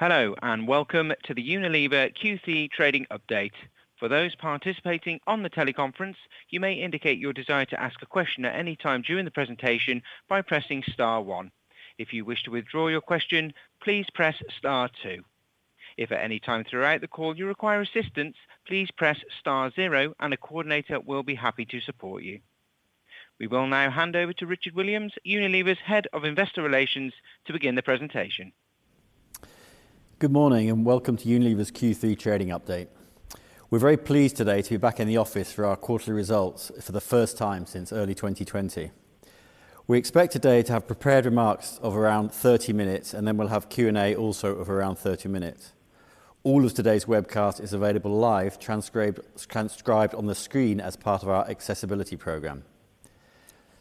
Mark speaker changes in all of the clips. Speaker 1: Hello, and welcome to the Unilever Q3 trading update. For those participating on the teleconference, you may indicate your desire to ask a question at any time during the presentation by pressing star one. If you wish to withdraw your question, please press star two. If at any time throughout the call you require assistance, please press star zero and a coordinator will be happy to support you. We will now hand over to Richard Williams, Unilever's Head of Investor Relations, to begin the presentation.
Speaker 2: Good morning. Welcome to Unilever's Q3 trading update. We're very pleased today to be back in the office for our quarterly results for the first time since early 2020. We expect today to have prepared remarks of around 30 minutes, and then we'll have Q&A also of around 30 minutes. All of today's webcast is available live, transcribed on the screen as part of our accessibility program.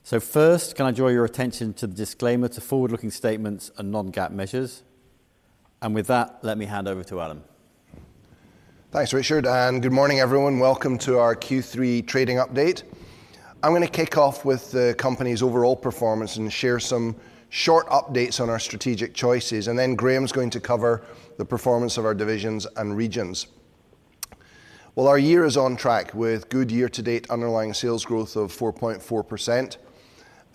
Speaker 2: First, can I draw your attention to the disclaimer to forward-looking statements and non-GAAP measures. With that, let me hand over to Alan.
Speaker 3: Thanks, Richard, and good morning, everyone. Welcome to our Q3 trading update. I'm going to kick off with the company's overall performance and share some short updates on our strategic choices, and then Graeme's going to cover the performance of our divisions and regions. Well, our year is on track with good year-to-date underlying sales growth of 4.4%.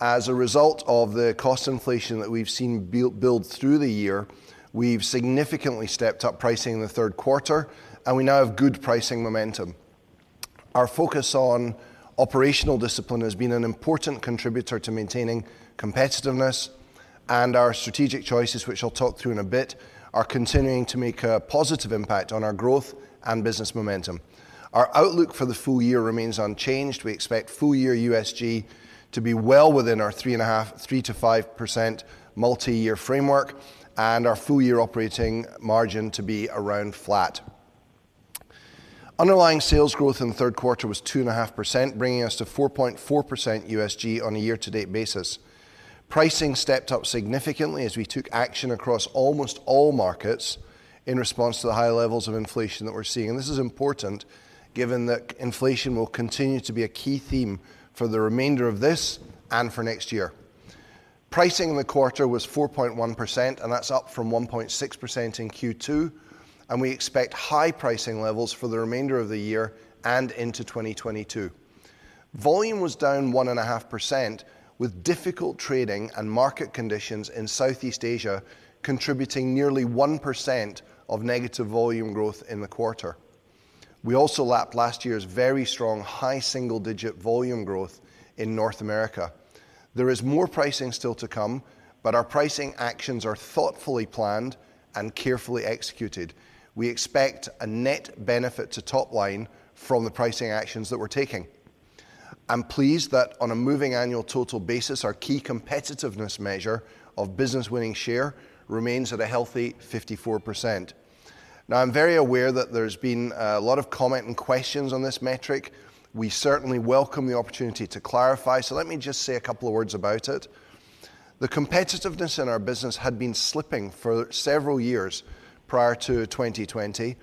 Speaker 3: As a result of the cost inflation that we've seen build through the year, we've significantly stepped up pricing in the third quarter, and we now have good pricing momentum. Our focus on operational discipline has been an important contributor to maintaining competitiveness, and our strategic choices, which I'll talk through in a bit, are continuing to make a positive impact on our growth and business momentum. Our outlook for the full year remains unchanged. We expect full year USG to be well within our 3.5%, 3%-5% multi-year framework, and our full year operating margin to be around flat. Underlying sales growth in the third quarter was 2.5%, bringing us to 4.4% USG on a year-to-date basis. Pricing stepped up significantly as we took action across almost all markets in response to the high levels of inflation that we're seeing. This is important given that inflation will continue to be a key theme for the remainder of this and for next year. Pricing in the quarter was 4.1%. That's up from 1.6% in Q2. We expect high pricing levels for the remainder of the year and into 2022. Volume was down 1.5%, with difficult trading and market conditions in Southeast Asia contributing nearly 1% of negative volume growth in the quarter. We also lapped last year's very strong, high single-digit volume growth in North America. There is more pricing still to come, but our pricing actions are thoughtfully planned and carefully executed. We expect a net benefit to top line from the pricing actions that we're taking. I'm pleased that on a moving annual total basis, our key competitiveness measure of business winning share remains at a healthy 54%. Now, I'm very aware that there's been a lot of comment and questions on this metric. We certainly welcome the opportunity to clarify, so let me just say a couple of words about it. The competitiveness in our business had been slipping for several years prior to 2020,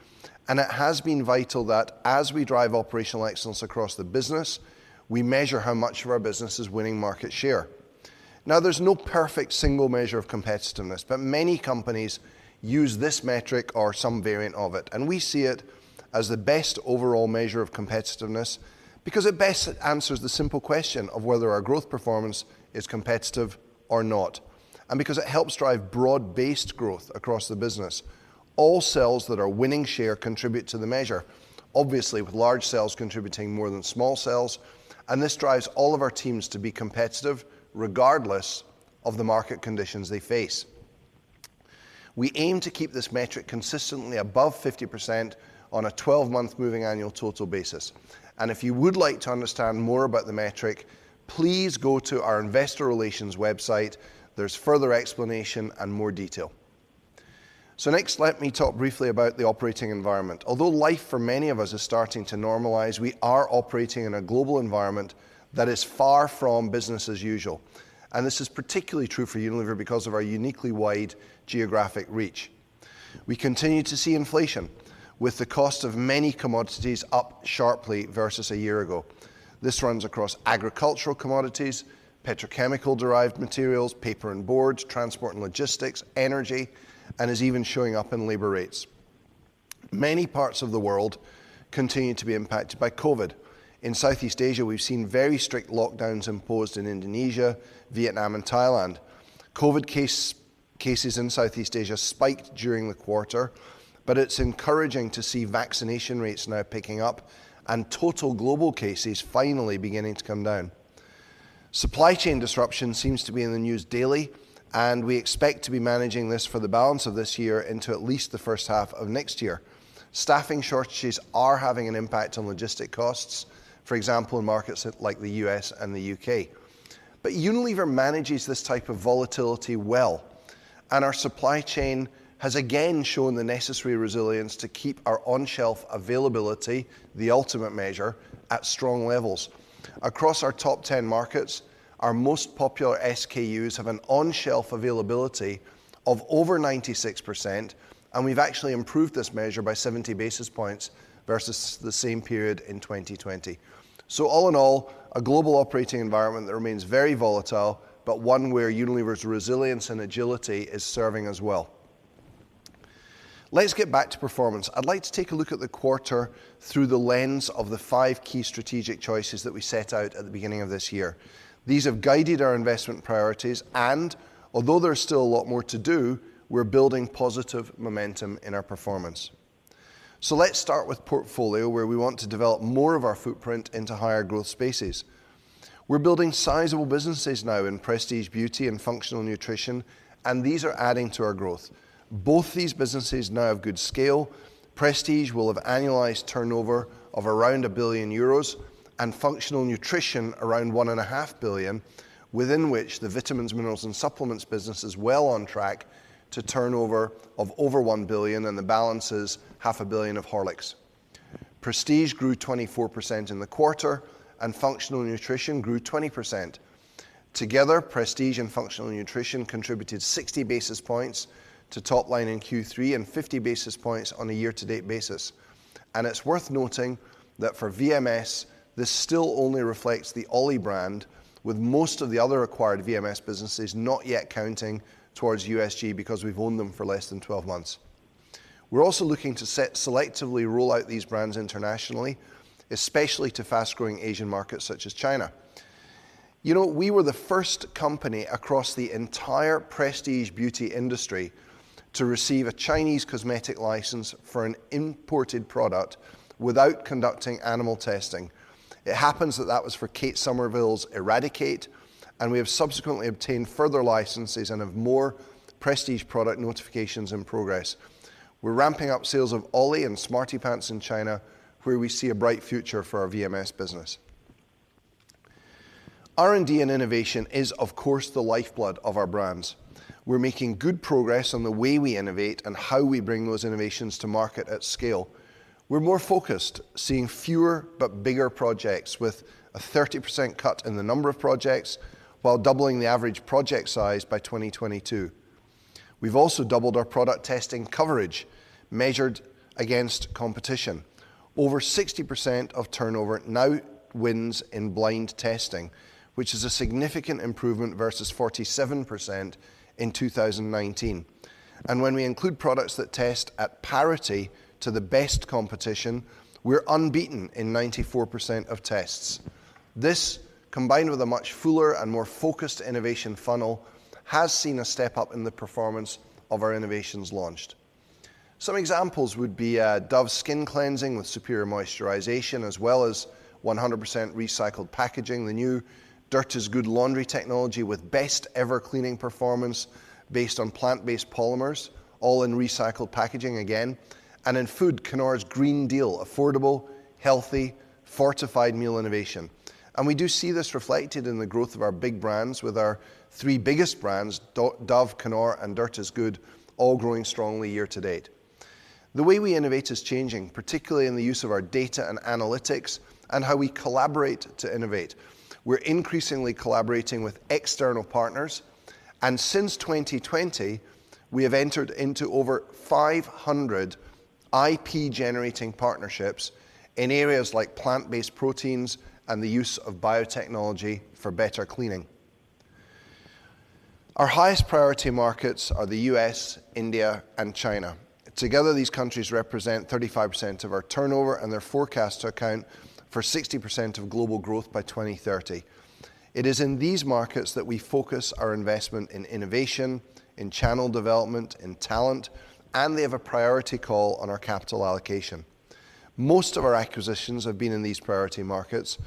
Speaker 3: and it has been vital that as we drive operational excellence across the business, we measure how much of our business is winning market share. There's no perfect single measure of competitiveness, but many companies use this metric or some variant of it, and we see it as the best overall measure of competitiveness because it best answers the simple question of whether our growth performance is competitive or not. Because it helps drive broad-based growth across the business, all sales that are winning share contribute to the measure, obviously with large sales contributing more than small sales, and this drives all of our teams to be competitive regardless of the market conditions they face. We aim to keep this metric consistently above 50% on a 12-month moving annual total basis. If you would like to understand more about the metric, please go to our investor relations website. There's further explanation and more detail. Next, let me talk briefly about the operating environment. Although life for many of us is starting to normalize, we are operating in a global environment that is far from business as usual, and this is particularly true for Unilever because of our uniquely wide geographic reach. We continue to see inflation, with the cost of many commodities up sharply versus a year ago. This runs across agricultural commodities, petrochemical derived materials, paper and boards, transport and logistics, energy, and is even showing up in labor rates. Many parts of the world continue to be impacted by COVID. In Southeast Asia, we've seen very strict lockdowns imposed in Indonesia, Vietnam, and Thailand. COVID cases in Southeast Asia spiked during the quarter, but it's encouraging to see vaccination rates now picking up and total global cases finally beginning to come down. Supply chain disruption seems to be in the news daily. We expect to be managing this for the balance of this year into at least the first half of next year. Staffing shortages are having an impact on logistic costs, for example, in markets like the U.S. and the U.K. Unilever manages this type of volatility well, and our supply chain has again shown the necessary resilience to keep our on-shelf availability, the ultimate measure, at strong levels. Across our top 10 markets, our most popular SKUs have an on-shelf availability of over 96%. We've actually improved this measure by 70 basis points versus the same period in 2020. All in all, a global operating environment that remains very volatile, but one where Unilever's resilience and agility is serving us well. Let's get back to performance. I'd like to take a look at the quarter through the lens of the five key strategic choices that we set out at the beginning of this year. These have guided our investment priorities, and although there's still a lot more to do, we're building positive momentum in our performance. Let's start with portfolio, where we want to develop more of our footprint into higher growth spaces. We're building sizable businesses now in Prestige Beauty and Functional Nutrition, and these are adding to our growth. Both these businesses now have good scale. Prestige will have annualized turnover of around a billion euros, and Functional Nutrition around 1.5 billion, within which the vitamins, minerals, and supplements business is well on track to turnover of over 1 billion, and the balance is half a billion EUR of Horlicks. Prestige grew 24% in the quarter, and Functional Nutrition grew 20%. Together, prestige and functional nutrition contributed 60 basis points to top line in Q3 and 50 basis points on a year-to-date basis. It's worth noting that for VMS, this still only reflects the OLLY brand, with most of the other acquired VMS businesses not yet counting towards USG because we've owned them for less than 12 months. We're also looking to selectively roll out these brands internationally, especially to fast-growing Asian markets such as China. We were the first company across the entire prestige beauty industry to receive a Chinese cosmetic license for an imported product without conducting animal testing. It happens that that was for Kate Somerville's EradiKate, We have subsequently obtained further licenses and have more prestige product notifications in progress. We're ramping up sales of OLLY and SmartyPants in China, where we see a bright future for our VMS business. R&D and innovation is, of course, the lifeblood of our brands. We're making good progress on the way we innovate and how we bring those innovations to market at scale. We're more focused, seeing fewer but bigger projects with a 30% cut in the number of projects while doubling the average project size by 2022. We've also doubled our product testing coverage, measured against competition. Over 60% of turnover now wins in blind testing, which is a significant improvement versus 47% in 2019. When we include products that test at parity to the best competition, we're unbeaten in 94% of tests. This, combined with a much fuller and more focused innovation funnel, has seen a step up in the performance of our innovations launched. Some examples would be Dove skin cleansing with superior moisturization, as well as 100% recycled packaging, the new Dirt Is Good laundry technology with best ever cleaning performance based on plant-based polymers, all in recycled packaging again. In food, Knorr's Green Deal, affordable, healthy, fortified meal innovation. We do see this reflected in the growth of our big brands with our three biggest brands, Dove, Knorr, and Dirt Is Good, all growing strongly year-to-date. The way we innovate is changing, particularly in the use of our data and analytics and how we collaborate to innovate. We're increasingly collaborating with external partners, and since 2020, we have entered into over 500 IP generating partnerships in areas like plant-based proteins and the use of biotechnology for better cleaning. Our highest priority markets are the U.S., India, and China. Together, these countries represent 35% of our turnover, and they're forecast to account for 60% of global growth by 2030. It is in these markets that we focus our investment in innovation, in channel development, in talent, and they have a priority call on our capital allocation. Most of our acquisitions have been in these priority markets,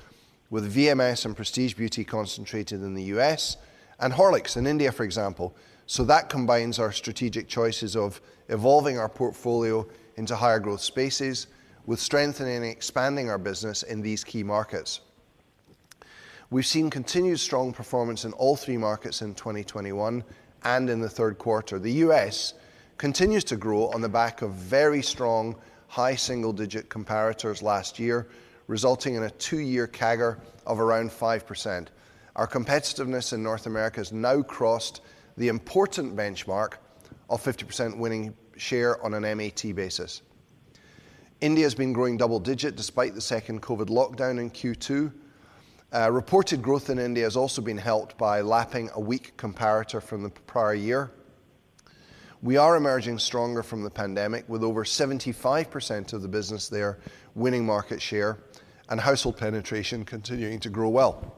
Speaker 3: with VMS and Prestige Beauty concentrated in the U.S., and Horlicks in India, for example. That combines our strategic choices of evolving our portfolio into higher growth spaces with strengthening and expanding our business in these key markets. We've seen continued strong performance in all three markets in 2021 and in the third quarter. The U.S. continues to grow on the back of very strong, high single digit comparators last year, resulting in a two-year CAGR of around 5%. Our competitiveness in North America has now crossed the important benchmark of 50% winning share on an MAT basis. India has been growing double-digit despite the second COVID lockdown in Q2. Reported growth in India has also been helped by lapping a weak comparator from the prior year. We are emerging stronger from the pandemic, with over 75% of the business there winning market share and household penetration continuing to grow well.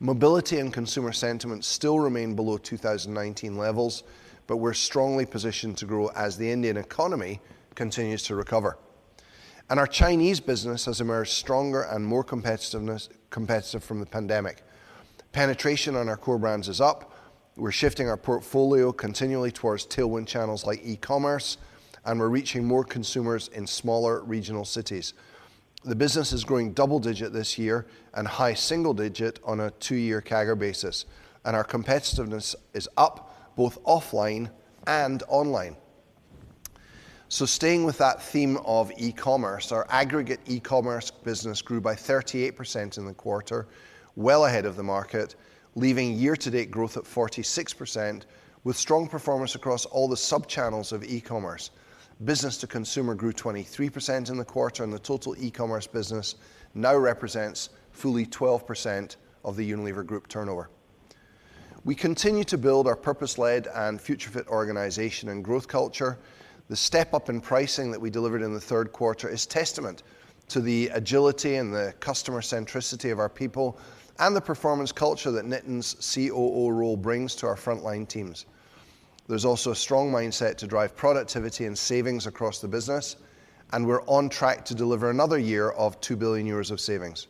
Speaker 3: Mobility and consumer sentiment still remain below 2019 levels. We're strongly positioned to grow as the Indian economy continues to recover. Our Chinese business has emerged stronger and more competitive from the pandemic. Penetration on our core brands is up. We're shifting our portfolio continually towards tailwind channels like e-commerce, and we're reaching more consumers in smaller regional cities. The business is growing double-digit this year and high single-digit on a two-year CAGR basis, our competitiveness is up both offline and online. Staying with that theme of e-commerce, our aggregate e-commerce business grew by 38% in the quarter, well ahead of the market, leaving year-to-date growth at 46%, with strong performance across all the sub-channels of e-commerce. Business to consumer grew 23% in the quarter, the total e-commerce business now represents fully 12% of the Unilever Group turnover. We continue to build our purpose-led and future-fit organization and growth culture. The step-up in pricing that we delivered in the 3rd quarter is testament to the agility and the customer centricity of our people and the performance culture that Nitin's COO role brings to our frontline teams. There's also a strong mindset to drive productivity and savings across the business, and we're on track to deliver another year of 2 billion euros of savings.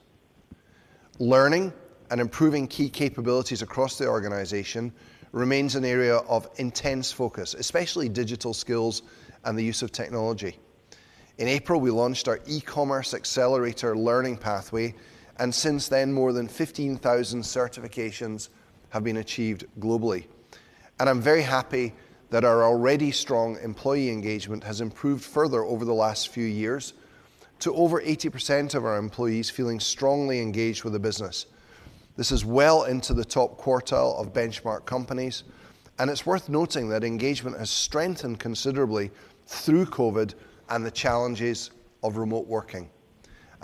Speaker 3: Learning and improving key capabilities across the organization remains an area of intense focus, especially digital skills and the use of technology. In April, we launched our E-commerce Accelerator Learning Pathway, and since then, more than 15,000 certifications have been achieved globally, and I'm very happy that our already strong employee engagement has improved further over the last few years to over 80% of our employees feeling strongly engaged with the business. This is well into the top quartile of benchmark companies, and it's worth noting that engagement has strengthened considerably through COVID and the challenges of remote working.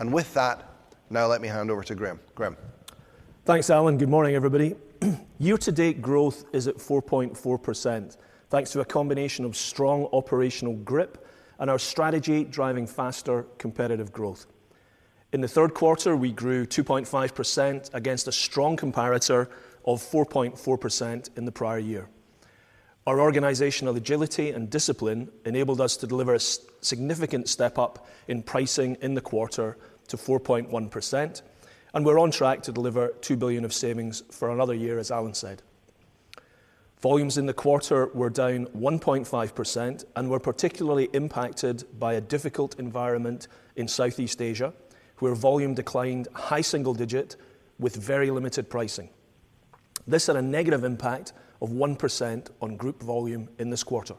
Speaker 3: With that, now let me hand over to Graeme. Graeme?
Speaker 4: Thanks, Alan. Good morning, everybody. Year-to-date growth is at 4.4%, thanks to a combination of strong operational grip and our strategy driving faster competitive growth. In the third quarter, we grew 2.5% against a strong comparator of 4.4% in the prior year. Our organizational agility and discipline enabled us to deliver a significant step-up in pricing in the quarter to 4.1%, and we're on track to deliver 2 billion of savings for another year, as Alan said. Volumes in the quarter were down 1.5% and were particularly impacted by a difficult environment in Southeast Asia, where volume declined high single digit with very limited pricing. This had a negative impact of 1% on group volume in this quarter.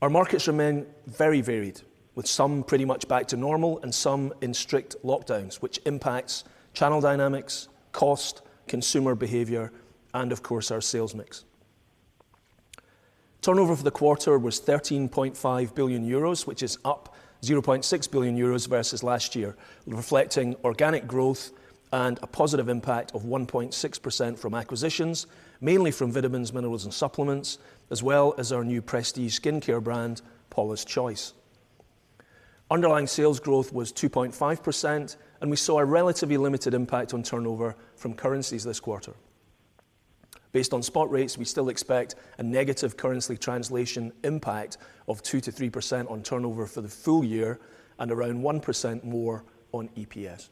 Speaker 4: Our markets remain very varied, with some pretty much back to normal and some in strict lockdowns, which impacts channel dynamics, cost, consumer behavior, and of course our sales mix. Turnover for the quarter was 13.5 billion euros, which is up 0.6 billion euros versus last year, reflecting organic growth and a positive impact of 1.6% from acquisitions, mainly from vitamins, minerals, and supplements, as well as our new prestige skincare brand, Paula's Choice. Underline sales growth was 2.5%, and we saw a relatively limited impact on turnover from currencies this quarter. Based on spot rates, we still expect a negative currency translation impact of 2% to 3% on turnover for the full year and around 1% more on EPS.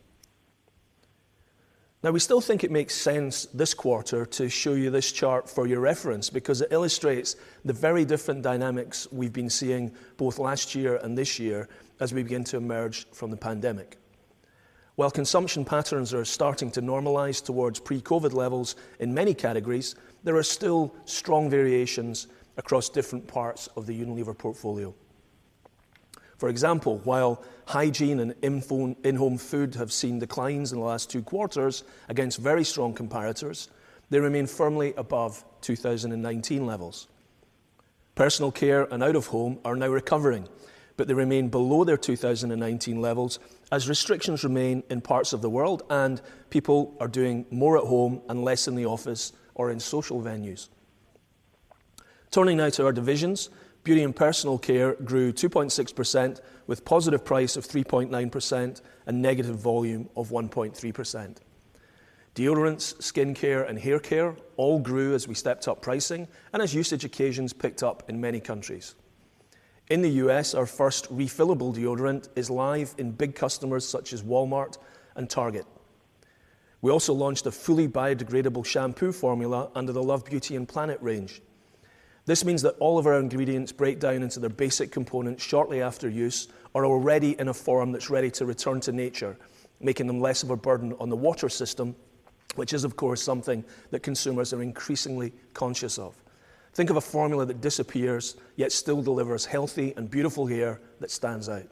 Speaker 4: We still think it makes sense this quarter to show you this chart for your reference because it illustrates the very different dynamics we've been seeing both last year and this year as we begin to emerge from the pandemic. While consumption patterns are starting to normalize towards pre-COVID levels in many categories, there are still strong variations across different parts of the Unilever portfolio. For example, while hygiene and in-home food have seen declines in the last two quarters against very strong comparators, they remain firmly above 2019 levels. Personal care and out-of-home are now recovering, but they remain below their 2019 levels as restrictions remain in parts of the world and people are doing more at home and less in the office or in social venues. Turning now to our divisions, beauty and personal care grew 2.6%, with positive price of 3.9% and negative volume of 1.3%. Deodorants, skincare, and haircare all grew as we stepped up pricing and as usage occasions picked up in many countries. In the U.S., our first refillable deodorant is live in big customers such as Walmart and Target. We also launched a fully biodegradable shampoo formula under the Love Beauty and Planet range. This means that all of our ingredients break down into their basic components shortly after use, are already in a form that's ready to return to nature, making them less of a burden on the water system, which is of course, something that consumers are increasingly conscious of. Think of a formula that disappears yet still delivers healthy and beautiful hair that stands out.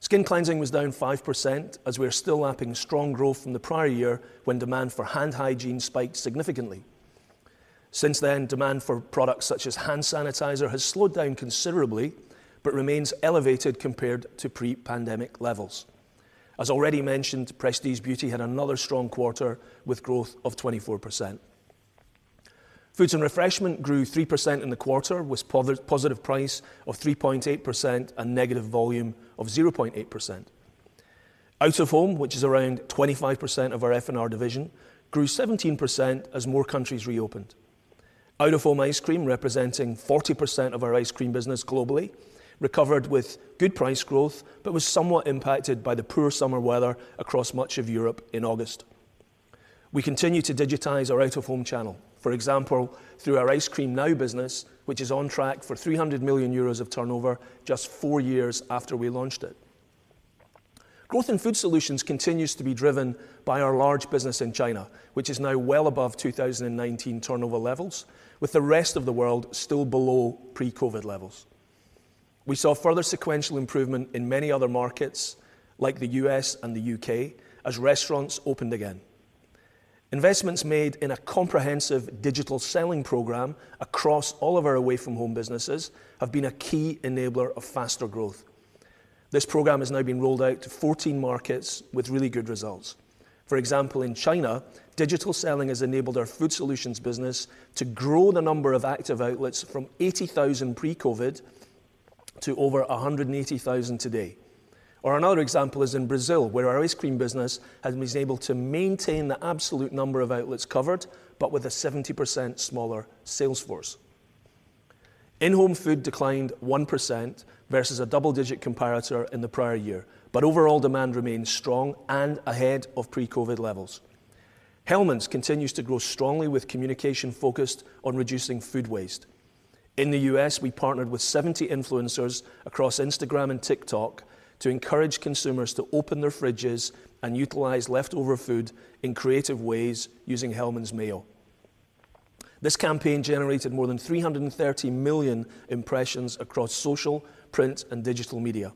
Speaker 4: Skin cleansing was down 5%, as we are still lapping strong growth from the prior year when demand for hand hygiene spiked significantly. Since then, demand for products such as hand sanitizer has slowed down considerably but remains elevated compared to pre-pandemic levels. As already mentioned, Prestige Beauty had another strong quarter with growth of 24%. Foods & Refreshment grew 3% in the quarter, with positive price of 3.8% and negative volume of 0.8%. Out of Home, which is around 25% of our F&R division, grew 17% as more countries reopened. Out of Home ice cream, representing 40% of our ice cream business globally, recovered with good price growth but was somewhat impacted by the poor summer weather across much of Europe in August. We continue to digitize our Out of Home channel, for example, through our Ice Cream Now business, which is on track for 300 million euros of turnover just four years after we launched it. Growth in Food Solutions continues to be driven by our large business in China, which is now well above 2019 turnover levels, with the rest of the world still below pre-COVID levels. We saw further sequential improvement in many other markets, like the U.S. and the U.K., as restaurants opened again. Investments made in a comprehensive digital selling program across all of our away-from-home businesses have been a key enabler of faster growth. This program has now been rolled out to 14 markets with really good results. For example, in China, digital selling has enabled our Unilever Food Solutions business to grow the number of active outlets from 80,000 pre-COVID to over 180,000 today. Another example is in Brazil, where our ice cream business has been able to maintain the absolute number of outlets covered, but with a 70% smaller sales force. In-home food declined 1% versus a double-digit comparator in the prior year, overall demand remains strong and ahead of pre-COVID levels. Hellmann's continues to grow strongly with communication focused on reducing food waste. In the U.S., we partnered with 70 influencers across Instagram and TikTok to encourage consumers to open their fridges and utilize leftover food in creative ways using Hellmann's mayo. This campaign generated more than 330 million impressions across social, print, and digital media.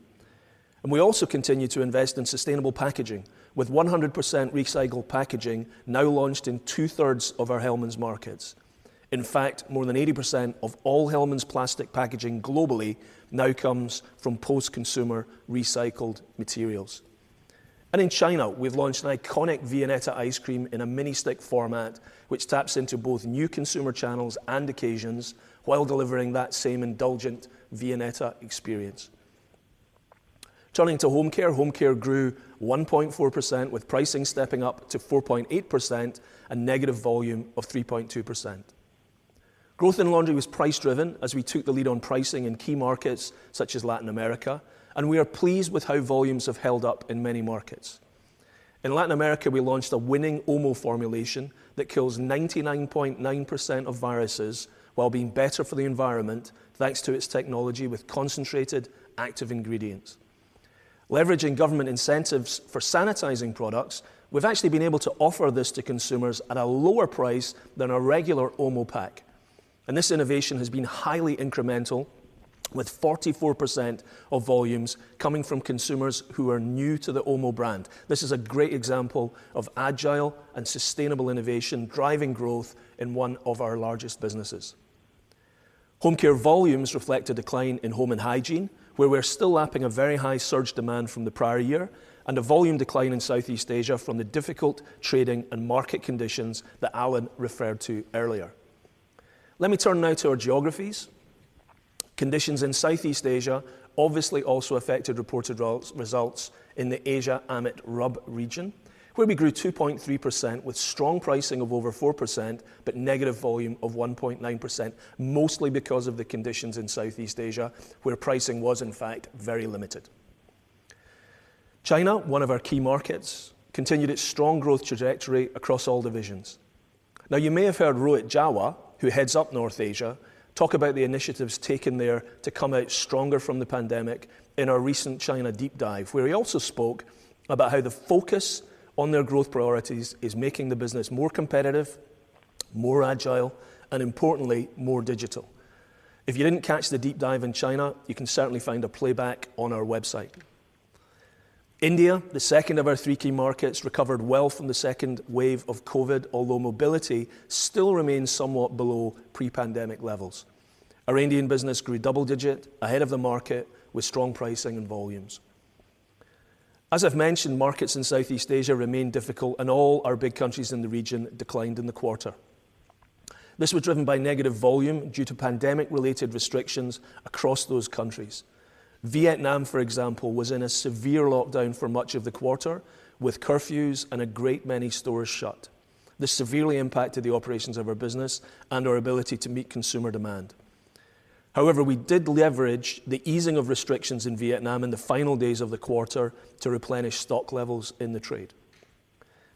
Speaker 4: We also continue to invest in sustainable packaging, with 100% recycled packaging now launched in 2/3 of our Hellmann's markets. In fact, more than 80% of all Hellmann's plastic packaging globally now comes from post-consumer recycled materials. In China, we've launched an iconic Viennetta ice cream in a mini stick format, which taps into both new consumer channels and occasions while delivering that same indulgent Viennetta experience. Turning to Home Care, Home Care grew 1.4% with pricing stepping up to 4.8% and negative volume of 3.2%. Growth in laundry was price driven as we took the lead on pricing in key markets such as Latin America. We are pleased with how volumes have held up in many markets. In Latin America, we launched a winning Omo formulation that kills 99.9% of viruses while being better for the environment, thanks to its technology with concentrated active ingredients. Leveraging government incentives for sanitizing products, we've actually been able to offer this to consumers at a lower price than a regular Omo pack. This innovation has been highly incremental, with 44% of volumes coming from consumers who are new to the Omo brand. This is a great example of agile and sustainable innovation driving growth in one of our largest businesses. Home Care volumes reflect a decline in home and hygiene, where we're still lapping a very high surge demand from the prior year and a volume decline in Southeast Asia from the difficult trading and market conditions that Alan referred to earlier. Let me turn now to our geographies. Conditions in Southeast Asia obviously also affected reported results in the Asia/AMET/RUB region, where we grew 2.3% with strong pricing of over 4%, but negative volume of 1.9%, mostly because of the conditions in Southeast Asia, where pricing was in fact very limited. China, one of our key markets, continued its strong growth trajectory across all divisions. You may have heard Rohit Jawa, who heads up North Asia, talk about the initiatives taken there to come out stronger from the pandemic in our recent China deep dive, where he also spoke about how the focus on their growth priorities is making the business more competitive, more agile, and importantly, more digital. If you didn't catch the deep dive in China, you can certainly find a playback on our website. India, the second of our three key markets, recovered well from the second wave of COVID, although mobility still remains somewhat below pre-pandemic levels. Our Indian business grew double-digit ahead of the market with strong pricing and volumes. As I've mentioned, markets in Southeast Asia remain difficult, all our big countries in the region declined in the quarter. This was driven by negative volume due to pandemic-related restrictions across those countries. Vietnam, for example, was in a severe lockdown for much of the quarter with curfews and a great many stores shut. This severely impacted the operations of our business and our ability to meet consumer demand. However, we did leverage the easing of restrictions in Vietnam in the final days of the quarter to replenish stock levels in the trade.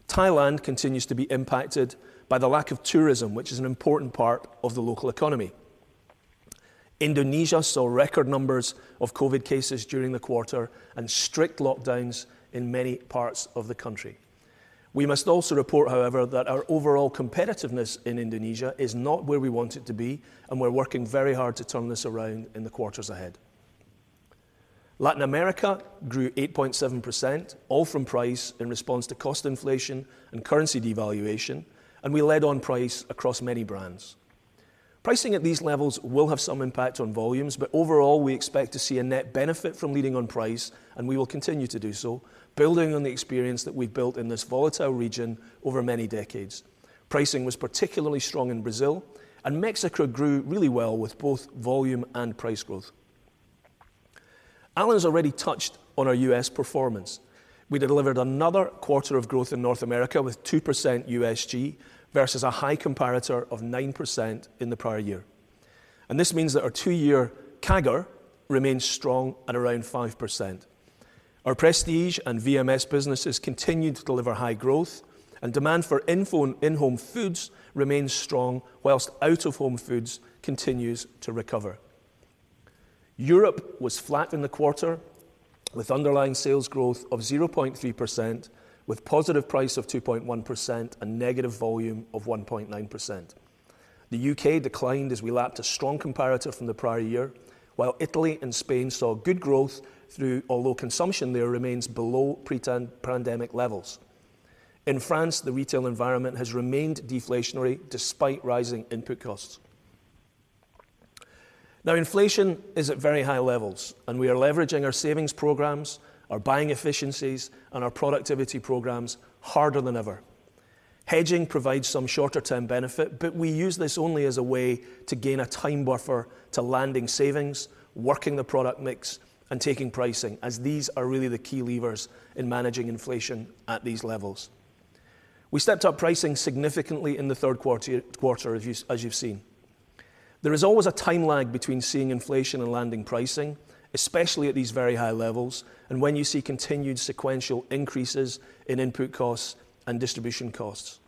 Speaker 4: Thailand continues to be impacted by the lack of tourism, which is an important part of the local economy. Indonesia saw record numbers of COVID cases during the quarter and strict lockdowns in many parts of the country. We must also report, however, that our overall competitiveness in Indonesia is not where we want it to be, and we're working very hard to turn this around in the quarters ahead. Latin America grew 8.7%, all from price in response to cost inflation and currency devaluation. We led on price across many brands. Pricing at these levels will have some impact on volumes. Overall, we expect to see a net benefit from leading on price. We will continue to do so, building on the experience that we've built in this volatile region over many decades. Pricing was particularly strong in Brazil. Mexico grew really well with both volume and price growth. Alan's already touched on our U.S. performance. We delivered another quarter of growth in North America with 2% USG versus a high comparator of 9% in the prior year. This means that our two-year CAGR remains strong at around 5%. Our prestige and VMS businesses continue to deliver high growth and demand for in-home foods remains strong whilst out-of-home foods continues to recover. Europe was flat in the quarter with underlying sales growth of 0.3%, with positive price of 2.1% and negative volume of 1.9%. The U.K. declined as we lapped a strong comparator from the prior year, while Italy and Spain saw good growth through, although consumption there remains below pre-pandemic levels. In France, the retail environment has remained deflationary despite rising input costs. Now inflation is at very high levels, and we are leveraging our savings programs, our buying efficiencies, and our productivity programs harder than ever. Hedging provides some shorter-term benefit, but we use this only as a way to gain a time buffer to landing savings, working the product mix, and taking pricing, as these are really the key levers in managing inflation at these levels. We stepped up pricing significantly in the third quarter, as you've seen. There is always a time lag between seeing inflation and landing pricing, especially at these very high levels, and when you see continued sequential increases in input costs and distribution costs.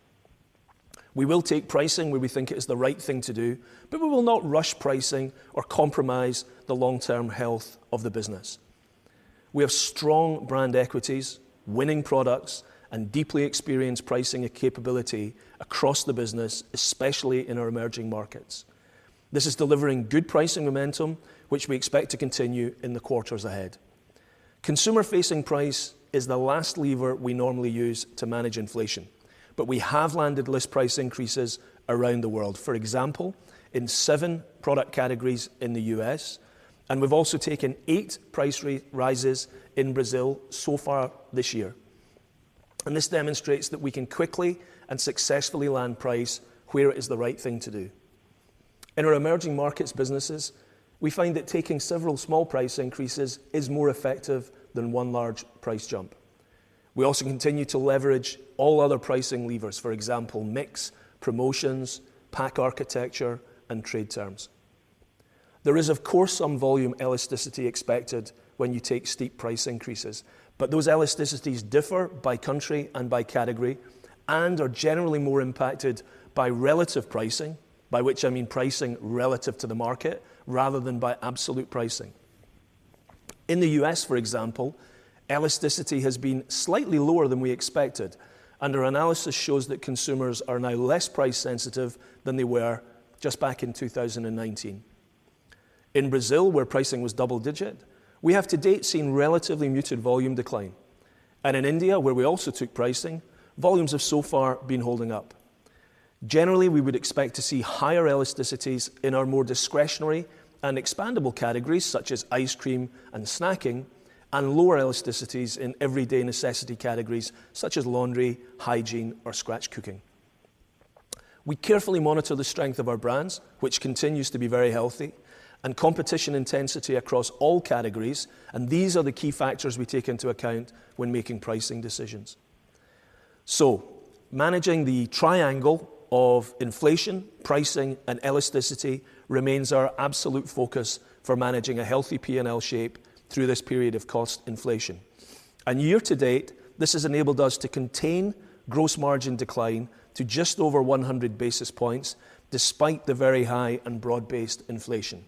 Speaker 4: We will take pricing where we think it is the right thing to do, but we will not rush pricing or compromise the long-term health of the business. We have strong brand equities, winning products, and deeply experienced pricing and capability across the business, especially in our emerging markets. This is delivering good pricing momentum, which we expect to continue in the quarters ahead. Consumer-facing price is the last lever we normally use to manage inflation, but we have landed list price increases around the world, for example, in seven product categories in the U.S., and we've also taken eight price [rate] rises in Brazil so far this year. This demonstrates that we can quickly and successfully land price where it is the right thing to do. In our emerging markets businesses, we find that taking several small price increases is more effective than one large price jump. We also continue to leverage all other pricing levers, for example, mix, promotions, pack architecture, and trade terms. There is of course some volume elasticity expected when you take steep price increases, but those elasticities differ by country and by category and are generally more impacted by relative pricing, by which I mean pricing relative to the market rather than by absolute pricing. In the U.S., for example, elasticity has been slightly lower than we expected, and our analysis shows that consumers are now less price sensitive than they were just back in 2019. In Brazil, where pricing was double-digit, we have to date seen relatively muted volume decline. In India, where we also took pricing, volumes have so far been holding up. Generally, we would expect to see higher elasticities in our more discretionary and expandable categories, such as ice cream and snacking, and lower elasticities in everyday necessity categories, such as laundry, hygiene, or scratch cooking. We carefully monitor the strength of our brands, which continues to be very healthy, and competition intensity across all categories, and these are the key factors we take into account when making pricing decisions. Managing the triangle of inflation, pricing, and elasticity remains our absolute focus for managing a healthy P&L shape through this period of cost inflation. Year-to-date, this has enabled us to contain gross margin decline to just over 100 basis points despite the very high and broad-based inflation.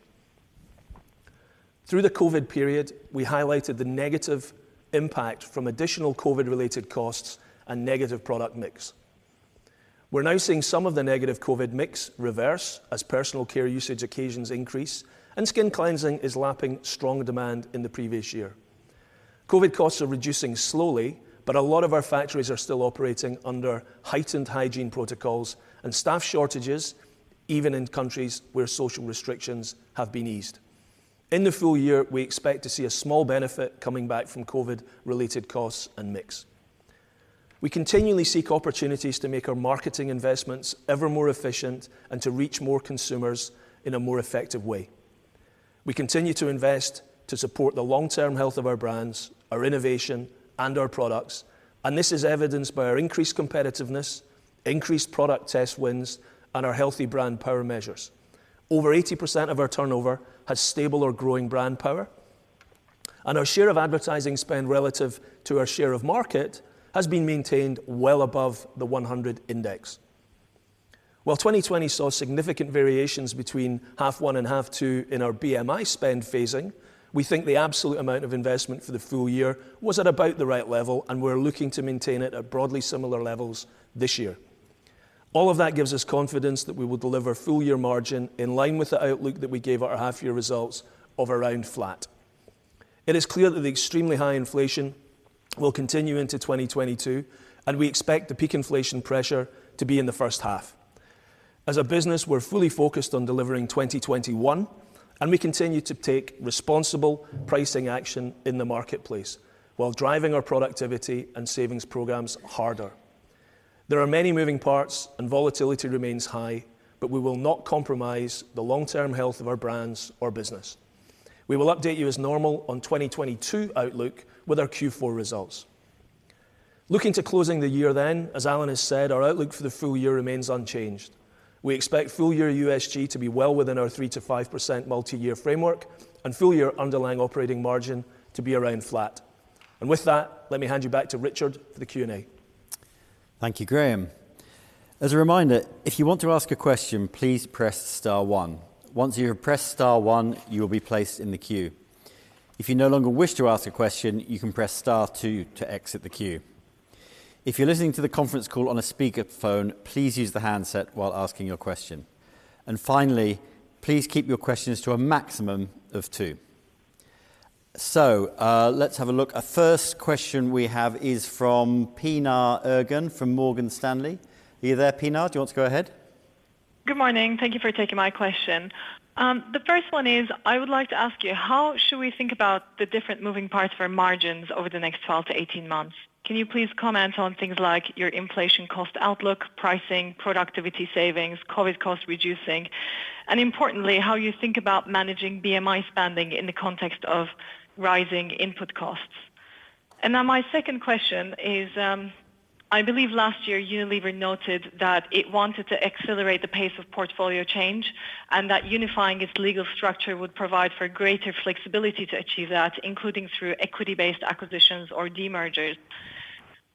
Speaker 4: Through the COVID period, we highlighted the negative impact from additional COVID-related costs and negative product mix. We're now seeing some of the negative COVID mix reverse as personal care usage occasions increase and skin cleansing is lapping strong demand in the previous year. COVID costs are reducing slowly, but a lot of our factories are still operating under heightened hygiene protocols and staff shortages, even in countries where social restrictions have been eased. In the full year, we expect to see a small benefit coming back from COVID-related costs and mix. We continually seek opportunities to make our marketing investments ever more efficient and to reach more consumers in a more effective way. We continue to invest to support the long-term health of our brands, our innovation, and our products, and this is evidenced by our increased competitiveness, increased product test wins, and our healthy brand power measures. Over 80% of our turnover has stable or growing brand power, and our share of advertising spend relative to our share of market has been maintained well above the 100 index. While 2020 saw significant variations between half one and half two in our BMI spend phasing, we think the absolute amount of investment for the full year was at about the right level, and we're looking to maintain it at broadly similar levels this year. All of that gives us confidence that we will deliver full year margin in line with the outlook that we gave at our half year results of around flat. It is clear that the extremely high inflation will continue into 2022. We expect the peak inflation pressure to be in the first half. As a business, we're fully focused on delivering 2021. We continue to take responsible pricing action in the marketplace while driving our productivity and savings programs harder. There are many moving parts and volatility remains high. We will not compromise the long-term health of our brands or business. We will update you as normal on 2022 outlook with our Q4 results. Looking to closing the year then, as Alan has said, our outlook for the full year remains unchanged. We expect full year USG to be well within our 3%-5% multi-year framework and full year underlying operating margin to be around flat. With that, let me hand you back to Richard for the Q&A.
Speaker 2: Thank you, Graeme. As a reminder, if you want to ask a question, please press star one. Once you have pressed star one, you will be placed in the queue. If you no longer wish to ask a question, you can press star two to exit the queue. If you're listening to the conference call on a speakerphone, please use the handset while asking your question. Finally, please keep your questions to a maximum of two. Let's have a look. First question we have is from Pinar Ergun from Morgan Stanley. Are you there, Pinar? Do you want to go ahead?
Speaker 5: Good morning. Thank you for taking my question. The first one is, I would like to ask you, how should we think about the different moving parts for margins over the next 12 to 18 months? Can you please comment on things like your inflation cost outlook, pricing, productivity savings, COVID cost reducing, and importantly, how you think about managing BMI spending in the context of rising input costs? Now my second question is, I believe last year Unilever noted that it wanted to accelerate the pace of portfolio change, and that unifying its legal structure would provide for greater flexibility to achieve that, including through equity based acquisitions or demergers.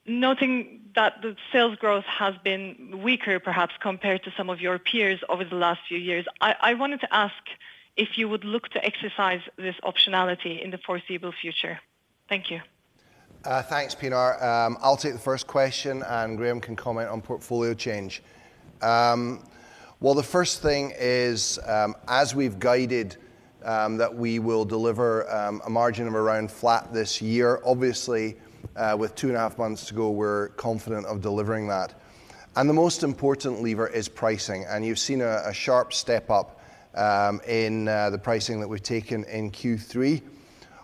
Speaker 5: Noting that the sales growth has been weaker, perhaps, compared to some of your peers over the last few years, I wanted to ask if you would look to exercise this optionality in the foreseeable future. Thank you.
Speaker 3: Thanks, Pinar. I'll take the first question, and Graeme can comment on portfolio change. Well, the first thing is, as we've guided that we will deliver a margin of around flat this year, obviously, with two and a half months to go, we're confident of delivering that. The most important lever is pricing. You've seen a sharp step up in the pricing that we've taken in Q3.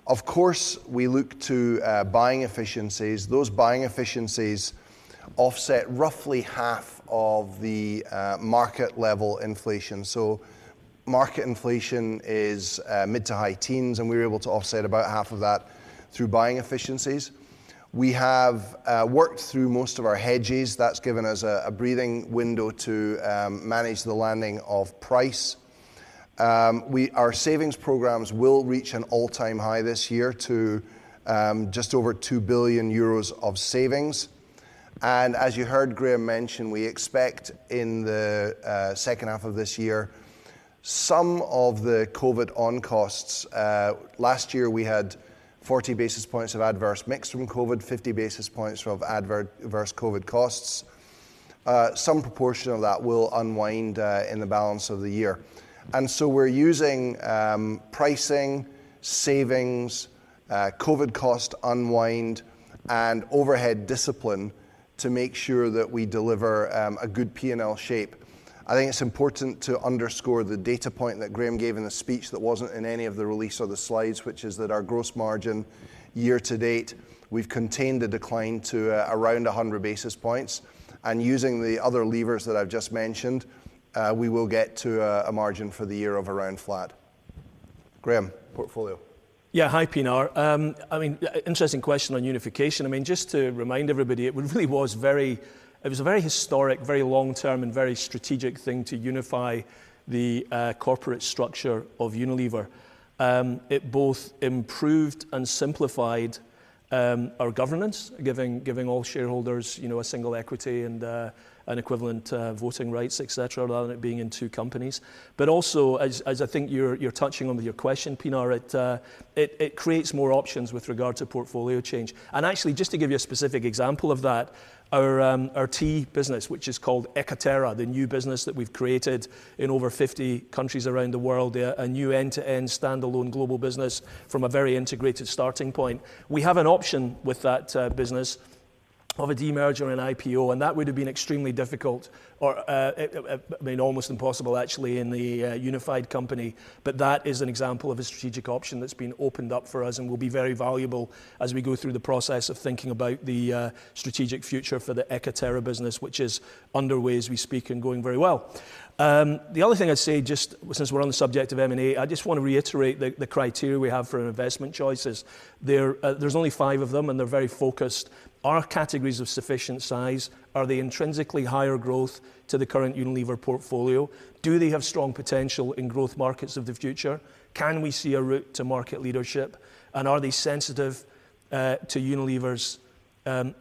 Speaker 3: Of course, we look to buying efficiencies. Those buying efficiencies offset roughly half of the market level inflation. Market inflation is mid to high teens, and we were able to offset about half of that through buying efficiencies. We have worked through most of our hedges. That's given us a breathing window to manage the landing of price. Our savings programs will reach an all-time high this year to just over 2 billion euros of savings. As you heard Graeme mention, we expect in the second half of this year some of the COVID on costs, last year we had 40 basis points of adverse mix from COVID, 50 basis points of adverse COVID costs. Some proportion of that will unwind in the balance of the year. We're using pricing, savings, COVID cost unwind, and overhead discipline to make sure that we deliver a good P&L shape. I think it's important to underscore the data point that Graeme gave in the speech that wasn't in any of the release or the slides, which is that our gross margin year-to-date, we've contained the decline to around 100 basis points. Using the other levers that I've just mentioned, we will get to a margin for the year of around flat. Graeme, portfolio.
Speaker 4: Hi, Pinar. Interesting question on unification. Just to remind everybody, it was a very historic, very long-term, and very strategic thing to unify the corporate structure of Unilever. It both improved and simplified our governance, giving all shareholders a single equity and equivalent voting rights, et cetera, rather than it being in two companies. Also, as I think you're touching on with your question, Pinar, it creates more options with regard to portfolio change. Actually, just to give you a specific example of that, our tea business, which is called katerra, the new business that we've created in over 50 countries around the world, a new end-to-end standalone global business from a very integrated starting point. We have an option with that business of a demerger and IPO, that would have been extremely difficult or almost impossible, actually, in the unified company. That is an example of a strategic option that has been opened up for us and will be very valuable as we go through the process of thinking about the strategic future for the Ekaterra business, which is underway as we speak and going very well. The other thing I'd say, just since we're on the subject of M&A, I just want to reiterate the criteria we have for investment choices. There's only five of them, and they're very focused. Are categories of sufficient size, are they intrinsically higher growth to the current Unilever portfolio? Do they have strong potential in growth markets of the future? Can we see a route to market leadership? Are they sensitive to Unilever's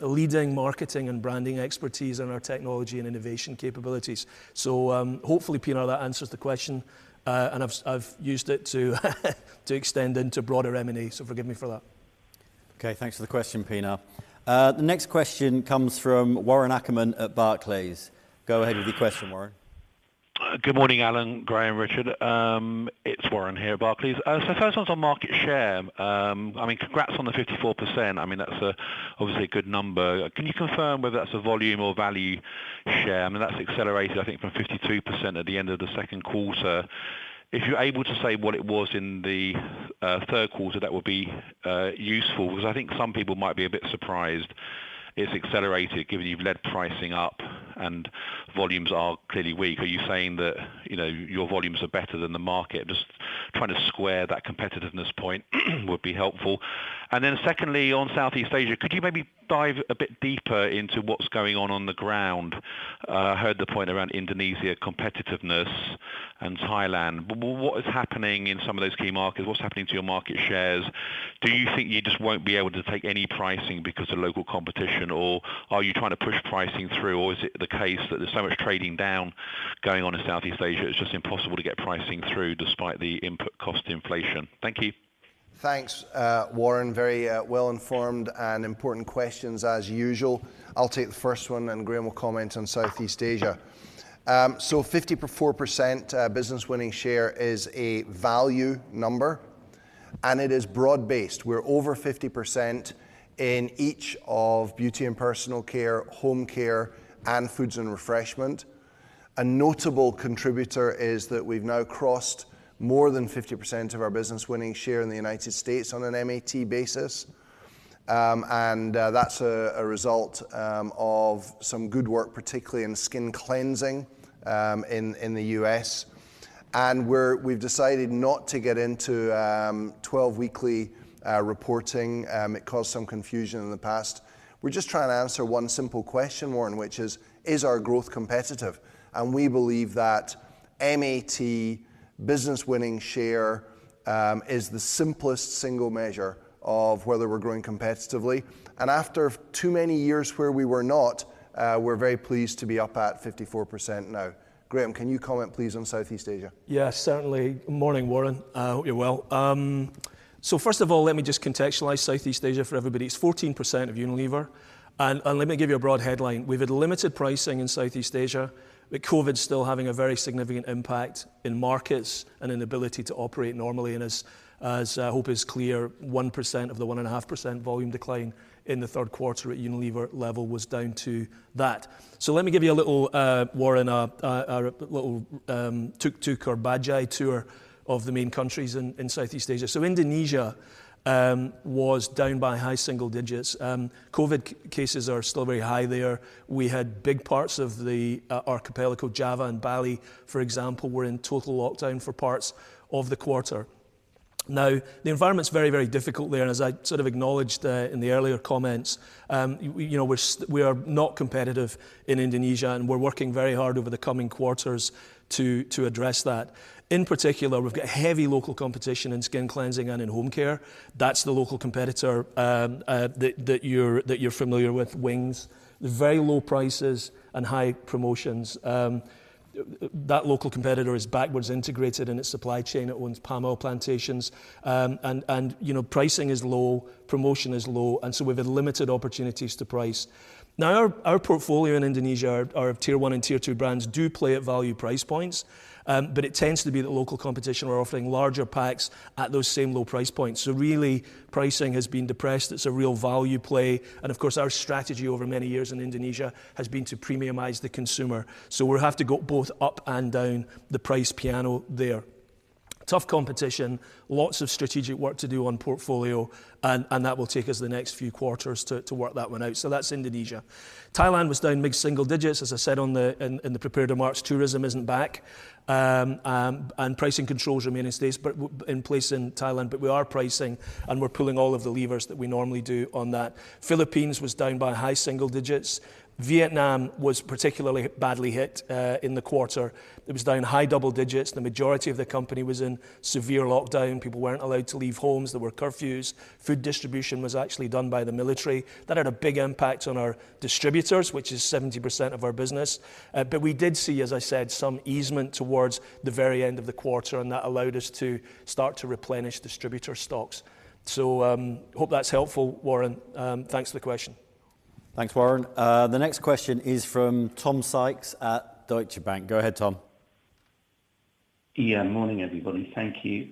Speaker 4: leading marketing and branding expertise and our technology and innovation capabilities? Hopefully, Pinar, that answers the question. I've used it to extend into broader M&A, so forgive me for that.
Speaker 2: Okay. Thanks for the question, Pinar. The next question comes from Warren Ackerman at Barclays. Go ahead with your question, Warren.
Speaker 6: Good morning, Alan, Graeme, Richard. It's Warren here at Barclays. First one's on market share. Congrats on the 54%. That's obviously a good number. Can you confirm whether that's a volume or value share? That's accelerated, I think from 52% at the end of the second quarter. If you're able to say what it was in the third quarter, that would be useful, because I think some people might be a bit surprised it's accelerated given you've led pricing up and volumes are clearly weak. Are you saying that your volumes are better than the market? Just trying to square that competitiveness point would be helpful. Secondly, on Southeast Asia, could you maybe dive a bit deeper into what's going on on the ground? I heard the point around Indonesia competitiveness and Thailand. What is happening in some of those key markets? What's happening to your market shares? Do you think you just won't be able to take any pricing because of local competition, or are you trying to push pricing through, or is it the case that there's so much trading down going on in Southeast Asia, it's just impossible to get pricing through despite the input cost inflation? Thank you.
Speaker 3: Thanks, Warren. Very well-informed and important questions as usual. I'll take the first one, and Graeme will comment on Southeast Asia. 54% business winning share is a value number, and it is broad-based. We're over 50% in each of Beauty & Personal Care, Home Care, and Foods & Refreshment. A notable contributor is that we've now crossed more than 50% of our business winning share in the U.S. on an MAT basis. That's a result of some good work, particularly in skin cleansing, in the U.S. We've decided not to get into 12-weekly reporting. It caused some confusion in the past. We're just trying to answer one simple question, Warren, which is our growth competitive? We believe that MAT business winning share is the simplest single measure of whether we're growing competitively. After too many years where we were not, we're very pleased to be up at 54% now. Graeme, can you comment, please, on Southeast Asia?
Speaker 4: Yes, certainly. Morning, Warren. I hope you're well. First of all, let me just contextualize Southeast Asia for everybody. It's 14% of Unilever, and let me give you a broad headline. We've had limited pricing in Southeast Asia, with COVID still having a very significant impact in markets and inability to operate normally, and as I hope is clear, 1% of the 1.5% volume decline in the third quarter at Unilever level was down to that. Let me give you a little, Warren, a little tuk-tuk or bajaj tour of the main countries in Southeast Asia. Indonesia was down by high single digits. COVID cases are still very high there. We had big parts of the archipelago, Java and Bali, for example, were in total lockdown for parts of the quarter. The environment's very, very difficult there, as I sort of acknowledged in the earlier comments, we are not competitive in Indonesia, and we're working very hard over the coming quarters to address that. In particular, we've got heavy local competition in skin cleansing and in home care. That's the local competitor that you're familiar with, Wings. Very low prices and high promotions. That local competitor is backwards integrated in its supply chain. It owns palm oil plantations. Pricing is low, promotion is low, we've had limited opportunities to price. Our portfolio in Indonesia, our Tier 1 and Tier 2 brands do play at value price points, but it tends to be that local competition are offering larger packs at those same low price points. Really, pricing has been depressed. It's a real value play. Of course, our strategy over many years in Indonesia has been to premiumize the consumer. We have to go both up and down the price piano there. Tough competition, lots of strategic work to do on portfolio, and that will take us the next few quarters to work that one out. That's Indonesia. Thailand was down mid single digits, as I said in the prepared remarks. Tourism isn't back, and pricing controls remain in place in Thailand, but we are pricing, and we're pulling all of the levers that we normally do on that. Philippines was down by high single digits. Vietnam was particularly badly hit in the quarter. It was down high double digits. The majority of the company was in severe lockdown. People weren't allowed to leave homes. There were curfews. Food distribution was actually done by the military. That had a big impact on our distributors, which is 70% of our business. We did see, as I said, some easement towards the very end of the quarter, and that allowed us to start to replenish distributor stocks. Hope that's helpful, Warren. Thanks for the question.
Speaker 2: Thanks, Warren. The next question is from Tom Sykes at Deutsche Bank. Go ahead, Tom.
Speaker 7: Yeah, morning, everybody. Thank you.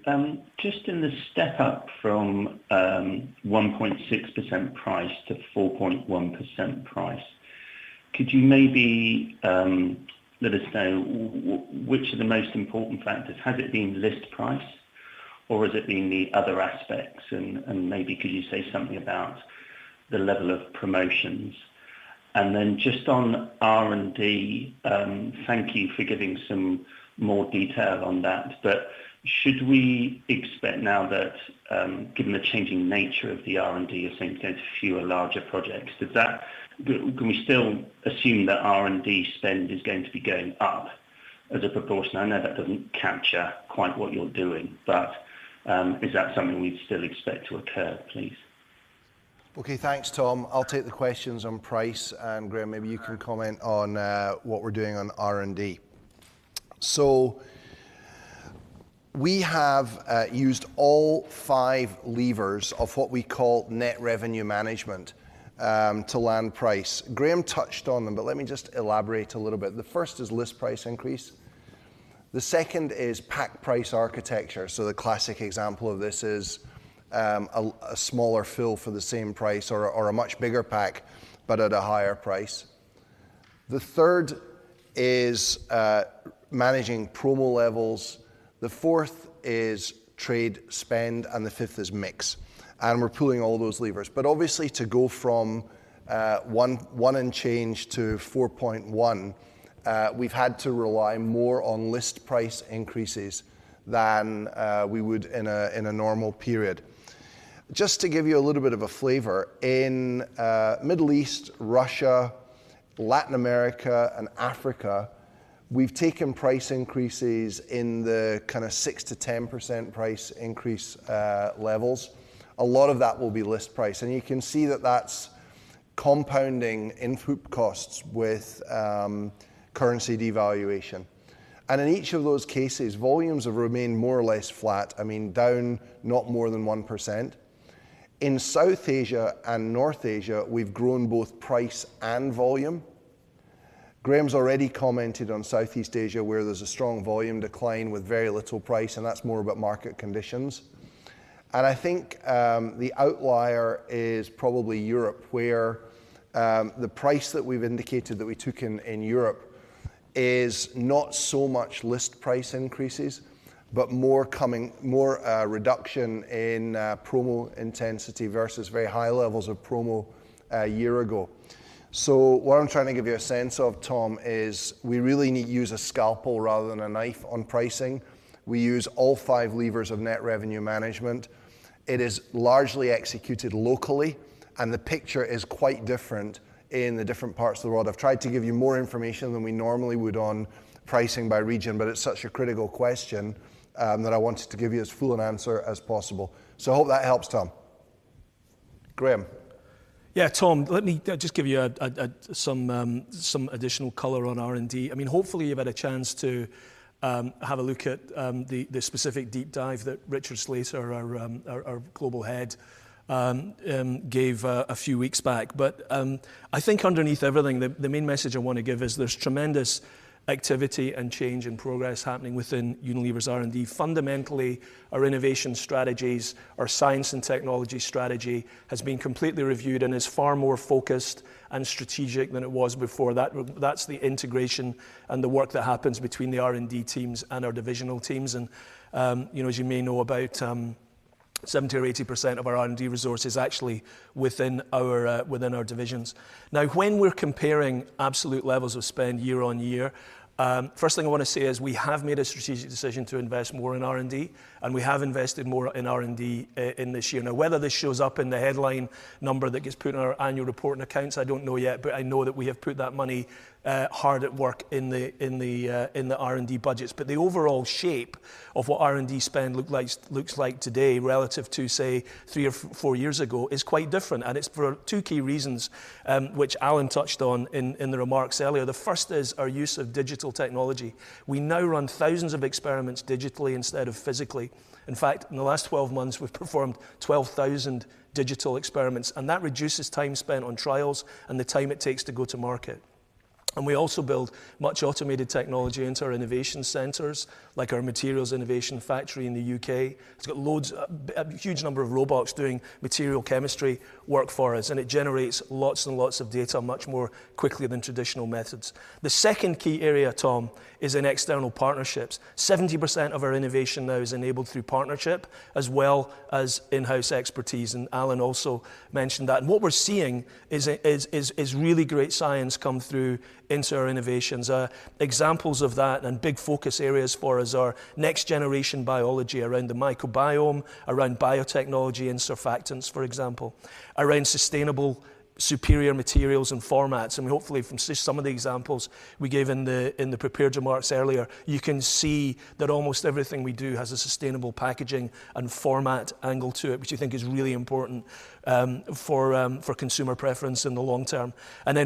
Speaker 7: Just in the step up from 1.6% price to 4.1% price, could you maybe let us know which are the most important factors? Has it been list price, or has it been the other aspects? Maybe could you say something about the level of promotions? Then just on R&D, thank you for giving some more detail on that, but should we expect now that given the changing nature of the R&D, you're saying it's going to fewer larger projects? Can we still assume that R&D spend is going to be going up as a proportion? I know that doesn't capture quite what you're doing, but is that something we'd still expect to occur, please?
Speaker 3: Okay, thanks, Tom. I'll take the questions on price, and Graeme, maybe you can comment on what we're doing on R&D. We have used all five levers of what we call net revenue management to land price. Graeme touched on them, but let me just elaborate a little bit. The first is list price increase. The second is pack price architecture. The classic example of this is a smaller fill for the same price or a much bigger pack, but at a higher price. The third is managing promo levels. The fourth is trade spend, and the fifth is mix. We're pulling all those levers. Obviously, to go from 1% and change to 4.1%, we've had to rely more on list price increases than we would in a normal period. Just to give you a little bit of a flavor, in Middle East, Russia, Latin America, and Africa, we've taken price increases in the 6%-10% price increase levels. A lot of that will be list price, and you can see that that's compounding input costs with currency devaluation. In each of those cases, volumes have remained more or less flat, down not more than 1%. In South Asia and North Asia, we've grown both price and volume. Graeme's already commented on Southeast Asia, where there's a strong volume decline with very little price, and that's more about market conditions. I think the outlier is probably Europe, where the price that we've indicated that we took in Europe is not so much list price increases, but more a reduction in promo intensity versus very high levels of promo a year ago. What I'm trying to give you a sense of, Tom, is we really need to use a scalpel rather than a knife on pricing. We use all five levers of net revenue management. It is largely executed locally, and the picture is quite different in the different parts of the world. I've tried to give you more information than we normally would on pricing by region, but it's such a critical question that I wanted to give you as full an answer as possible. I hope that helps, Tom. Graeme?
Speaker 4: Yeah, Tom, let me just give you some additional color on R&D. Hopefully you've had a chance to have a look at the specific deep dive that Richard Slater, our global head, gave a few weeks back. I think underneath everything, the main message I want to give is there's tremendous activity and change and progress happening within Unilever's R&D. Fundamentally, our innovation strategies, our science and technology strategy has been completely reviewed and is far more focused and strategic than it was before. That's the integration and the work that happens between the R&D teams and our divisional teams. As you may know, about 70% or 80% of our R&D resource is actually within our divisions. When we're comparing absolute levels of spend year-on-year, first thing I want to say is we have made a strategic decision to invest more in R&D, and we have invested more in R&D in this year. Whether this shows up in the headline number that gets put in our annual report and accounts, I don't know yet, but I know that we have put that money hard at work in the R&D budgets. The overall shape of what R&D spend looks like today relative to, say, three or four years ago, is quite different, and it's for two key reasons, which Alan touched on in the remarks earlier. The first is our use of digital technology. We now run thousands of experiments digitally instead of physically. In fact, in the last 12 months, we've performed 12,000 digital experiments. That reduces time spent on trials and the time it takes to go to market. We also build much automated technology into our innovation centers, like our Materials Innovation Factory in the U.K. It's got a huge number of robots doing material chemistry work for us. It generates lots and lots of data much more quickly than traditional methods. The second key area, Tom, is in external partnerships. 70% of our innovation now is enabled through partnership as well as in-house expertise. Alan also mentioned that. What we're seeing is really great science come through into our innovations. Examples of that and big focus areas for us are next generation biology around the microbiome, around biotechnology and surfactants, for example, around sustainable superior materials and formats. Hopefully from some of the examples we gave in the prepared remarks earlier, you can see that almost everything we do has a sustainable packaging and format angle to it, which we think is really important for consumer preference in the long term.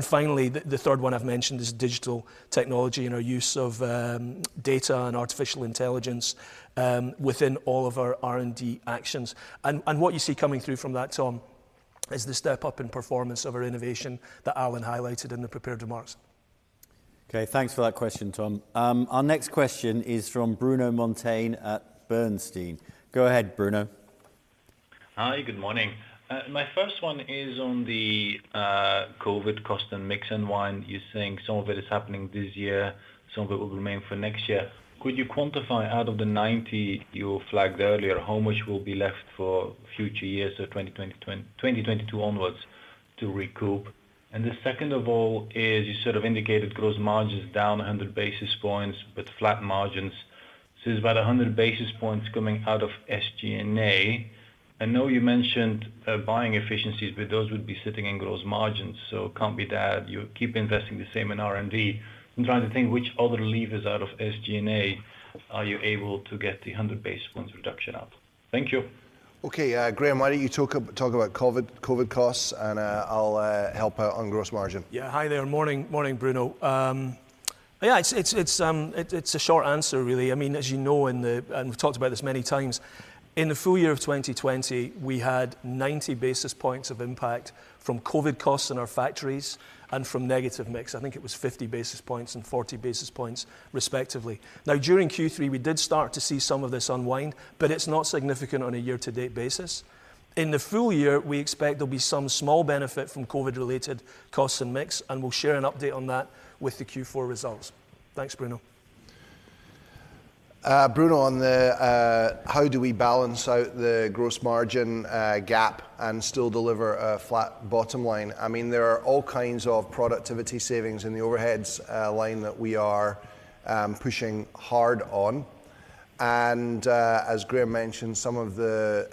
Speaker 4: Finally, the third one I've mentioned is digital technology and our use of data and artificial intelligence within all of our R&D actions. What you see coming through from that, Tom, is the step up in performance of our innovation that Alan highlighted in the prepared remarks.
Speaker 2: Okay, thanks for that question, Tom. Our next question is from Bruno Monteyne at Bernstein. Go ahead, Bruno.
Speaker 8: Hi, good morning. My first one is on the COVID cost and mix unwind. You're saying some of it is happening this year, some of it will remain for next year. Could you quantify out of the 90 you flagged earlier, how much will be left for future years, so 2022 onwards to recoup? The second of all is you indicated gross margins down 100 basis points with flat margins. It is about 100 basis points coming out of SG&A. I know you mentioned buying efficiencies, but those would be sitting in gross margins, so it cannot be that. You keep investing the same in R&D. I am trying to think which other levers out of SG&A are you able to get the 100 basis points reduction out? Thank you.
Speaker 3: Okay, Graeme, why don't you talk about COVID costs, and I'll help out on gross margin.
Speaker 4: Yeah. Hi there, morning Bruno. Yeah, it's a short answer really. As you know, and we've talked about this many times, in the full year of 2020, we had 90 basis points of impact from COVID costs in our factories and from negative mix. I think it was 50 basis points and 40 basis points respectively. During Q3, we did start to see some of this unwind, but it's not significant on a year-to-date basis. In the full year, we expect there'll be some small benefit from COVID related costs and mix, and we'll share an update on that with the Q4 results. Thanks, Bruno.
Speaker 3: Bruno, on the how do we balance out the gross margin gap and still deliver a flat bottom line, there are all kinds of productivity savings in the overheads line that we are pushing hard on. As Graeme mentioned, some of the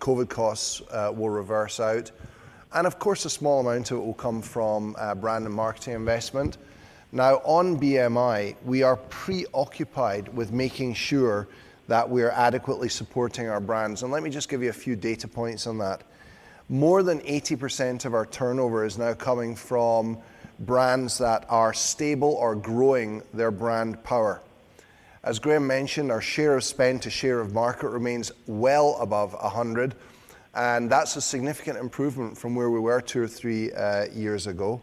Speaker 3: COVID costs will reverse out. Of course, a small amount of it will come from brand and marketing investment. On BMI, we are preoccupied with making sure that we are adequately supporting our brands. Let me just give you a few data points on that. More than 80% of our turnover is now coming from brands that are stable or growing their brand power. As Graeme mentioned, our share of spend to share of market remains well above 100, and that's a significant improvement from where we were two or three years ago.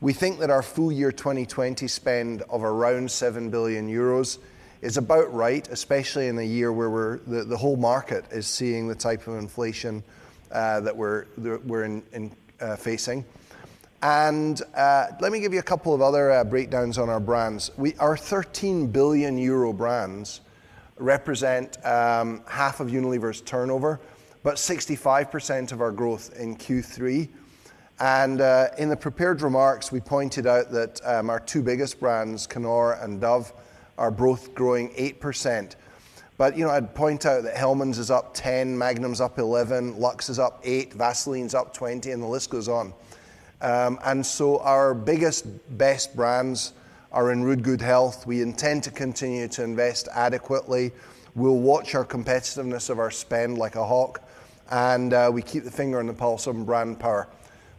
Speaker 3: We think that our full year 2020 spend of around 7 billion euros is about right, especially in a year where the whole market is seeing the type of inflation that we're facing. Let me give you a couple of other breakdowns on our brands. Our 13 billion euro brands represent half of Unilever's turnover, but 65% of our growth in Q3. In the prepared remarks, we pointed out that our two biggest brands, Knorr and Dove, are both growing 8%. I'd point out that Hellmann's is up 10%, Magnum's up 11%, Lux is up 8%, Vaseline's up 20%, and the list goes on. So our biggest, best brands are in rude good health. We intend to continue to invest adequately. We'll watch our competitiveness of our spend like a hawk, and we keep the finger on the pulse of brand power.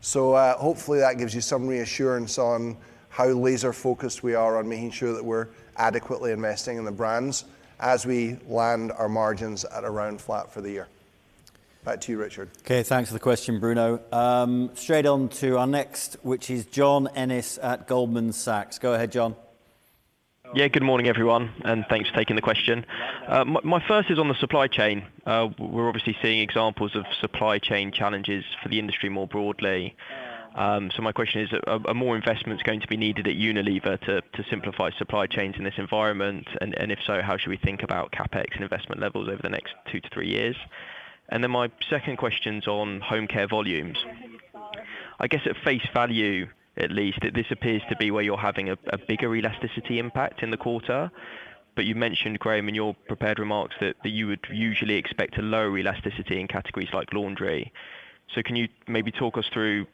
Speaker 3: Hopefully that gives you some reassurance on how laser focused we are on making sure that we're adequately investing in the brands as we land our margins at around flat for the year. Back to you, Richard.
Speaker 2: Okay, thanks for the question, Bruno. Straight on to our next, which is John Ennis at Goldman Sachs. Go ahead, John.
Speaker 9: Good morning, everyone, and thanks for taking the question. My first is on the supply chain. We're obviously seeing examples of supply chain challenges for the industry more broadly. My question is, are more investments going to be needed at Unilever to simplify supply chains in this environment? If so, how should we think about CapEx and investment levels over the next two to three years? My second question's on homecare volumes. I guess at face value, at least, this appears to be where you're having a bigger elasticity impact in the quarter. You mentioned, Graeme, in your prepared remarks that you would usually expect a lower elasticity in categories like laundry. Can you maybe talk us through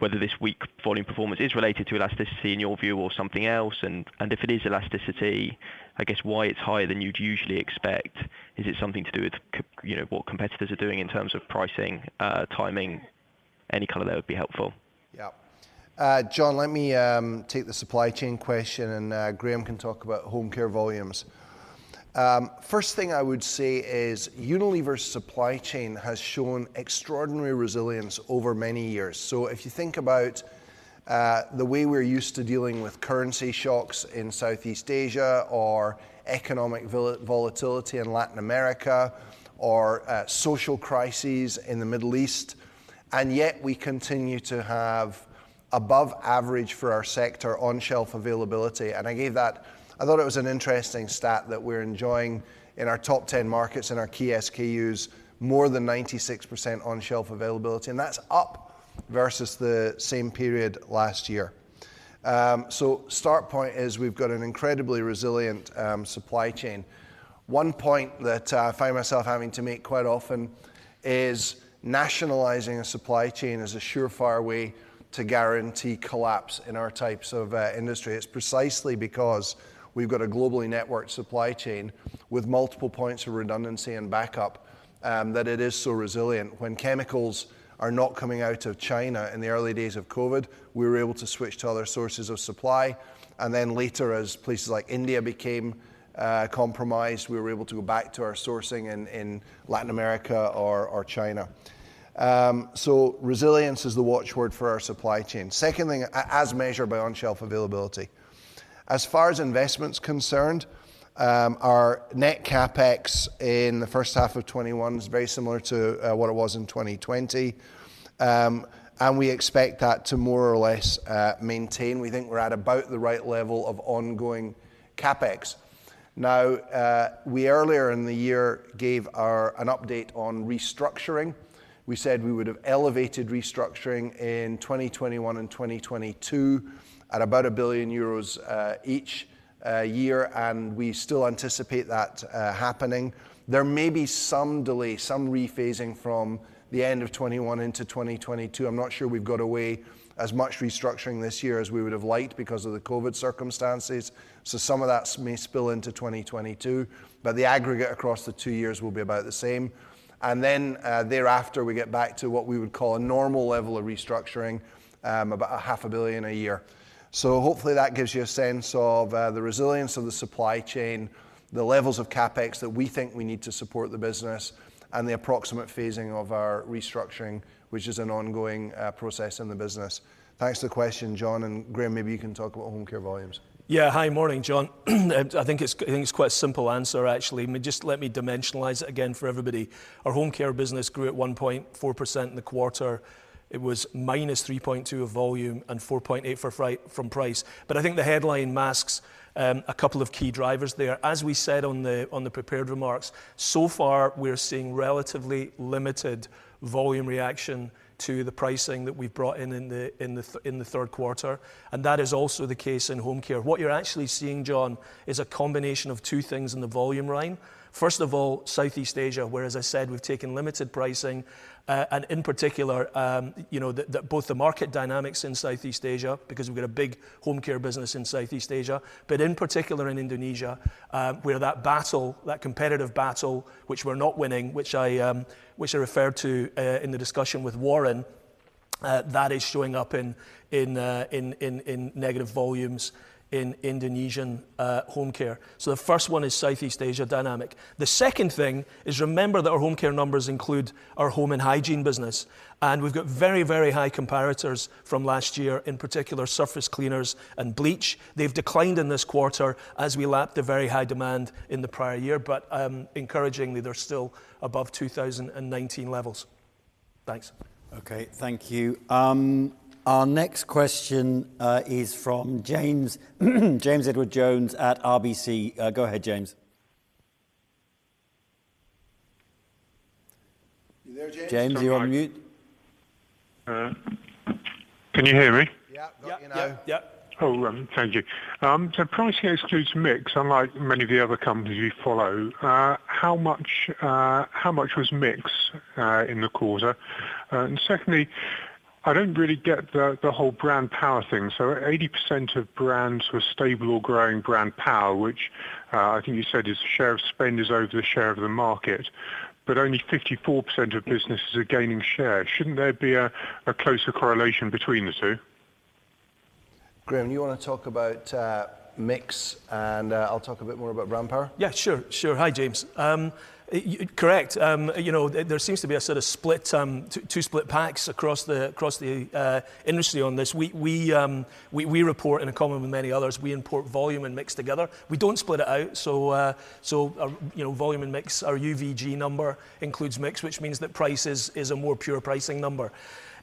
Speaker 9: whether this weak volume performance is related to elasticity in your view or something else? If it is elasticity, I guess why it's higher than you'd usually expect? Is it something to do with what competitors are doing in terms of pricing, timing? Any color there would be helpful.
Speaker 3: Yeah. John, let me take the supply chain question, and Graeme can talk about homecare volumes. First thing I would say is Unilever's supply chain has shown extraordinary resilience over many years. If you think about the way we're used to dealing with currency shocks in Southeast Asia, or economic volatility in Latin America, or social crises in the Middle East, and yet we continue to have above average for our sector on shelf availability. I gave that, I thought it was an interesting stat that we're enjoying in our top 10 markets, in our key SKUs, more than 96% on shelf availability, and that's up versus the same period last year. Start point is we've got an incredibly resilient supply chain. One point that I find myself having to make quite often is nationalizing a supply chain is a surefire way to guarantee collapse in our types of industry. It's precisely because we've got a globally networked supply chain with multiple points of redundancy and backup, that it is so resilient. When chemicals are not coming out of China in the early days of COVID, we were able to switch to other sources of supply, and then later, as places like India became compromised, we were able to go back to our sourcing in Latin America or China. Resilience is the watchword for our supply chain. Secondly, as measured by on-shelf availability. As far as investment's concerned, our net CapEx in the first half of 2021 is very similar to what it was in 2020. We expect that to more or less maintain. We think we're at about the right level of ongoing CapEx. We earlier in the year gave an update on restructuring. We said we would have elevated restructuring in 2021 and 2022 at about a billion euros each year, we still anticipate that happening. There may be some delay, some rephasing from the end of 2021 into 2022. I'm not sure we've got away as much restructuring this year as we would have liked because of the COVID circumstances, some of that may spill into 2022, the aggregate across the two years will be about the same. Thereafter, we get back to what we would call a normal level of restructuring, about a half a billion a year. Hopefully that gives you a sense of the resilience of the supply chain, the levels of CapEx that we think we need to support the business, and the approximate phasing of our restructuring, which is an ongoing process in the business. Thanks for the question, John, and Graeme, maybe you can talk about homecare volumes.
Speaker 4: Yeah. Hi. Morning, John. I think it's quite a simple answer, actually. Just let me dimensionalize it again for everybody. Our homecare business grew at 1.4% in the quarter. It was -3.2% of volume and 4.8% from price. I think the headline masks a couple of key drivers there. As we said on the prepared remarks, so far we are seeing relatively limited volume reaction to the pricing that we've brought in in the third quarter, and that is also the case in homecare. What you're actually seeing, John, is a combination of two things in the volume line. First of all, Southeast Asia, where, as I said, we've taken limited pricing, and in particular, both the market dynamics in Southeast Asia, because we've got a big homecare business in Southeast Asia, but in particular in Indonesia, where that battle, that competitive battle, which we're not winning, which I referred to in the discussion with Warren. That is showing up in negative volumes in Indonesian home care. The first one is Southeast Asia dynamic. The second thing is remember that our home care numbers include our home and hygiene business, and we've got very high comparators from last year, in particular, surface cleaners and bleach. They've declined in this quarter as we lap the very high demand in the prior year. Encouragingly, they're still above 2019 levels. Thanks.
Speaker 2: Okay. Thank you. Our next question is from James Edwardes Jones at RBC. Go ahead, James.
Speaker 3: You there, James?
Speaker 2: James, you're on mute.
Speaker 10: Can you hear me?
Speaker 3: Yeah. Got you now.
Speaker 2: Yep.
Speaker 10: Oh, thank you. Pricing excludes mix, unlike many of the other companies you follow. How much was mix in the quarter? Secondly, I don't really get the whole brand power thing. 80% of brands were stable or growing brand power, which I think you said is share of spend is over the share of the market, but only 54% of businesses are gaining share. Shouldn't there be a closer correlation between the two?
Speaker 3: Graeme, you want to talk about mix, and I'll talk a bit more about brand power?
Speaker 4: Yeah, sure. Hi, James. Correct. There seems to be a sort of two split packs across the industry on this. We report, in common with many others, we report volume and mix together. We don't split it out. Volume and mix, our UVG number includes mix, which means that price is a more pure pricing number.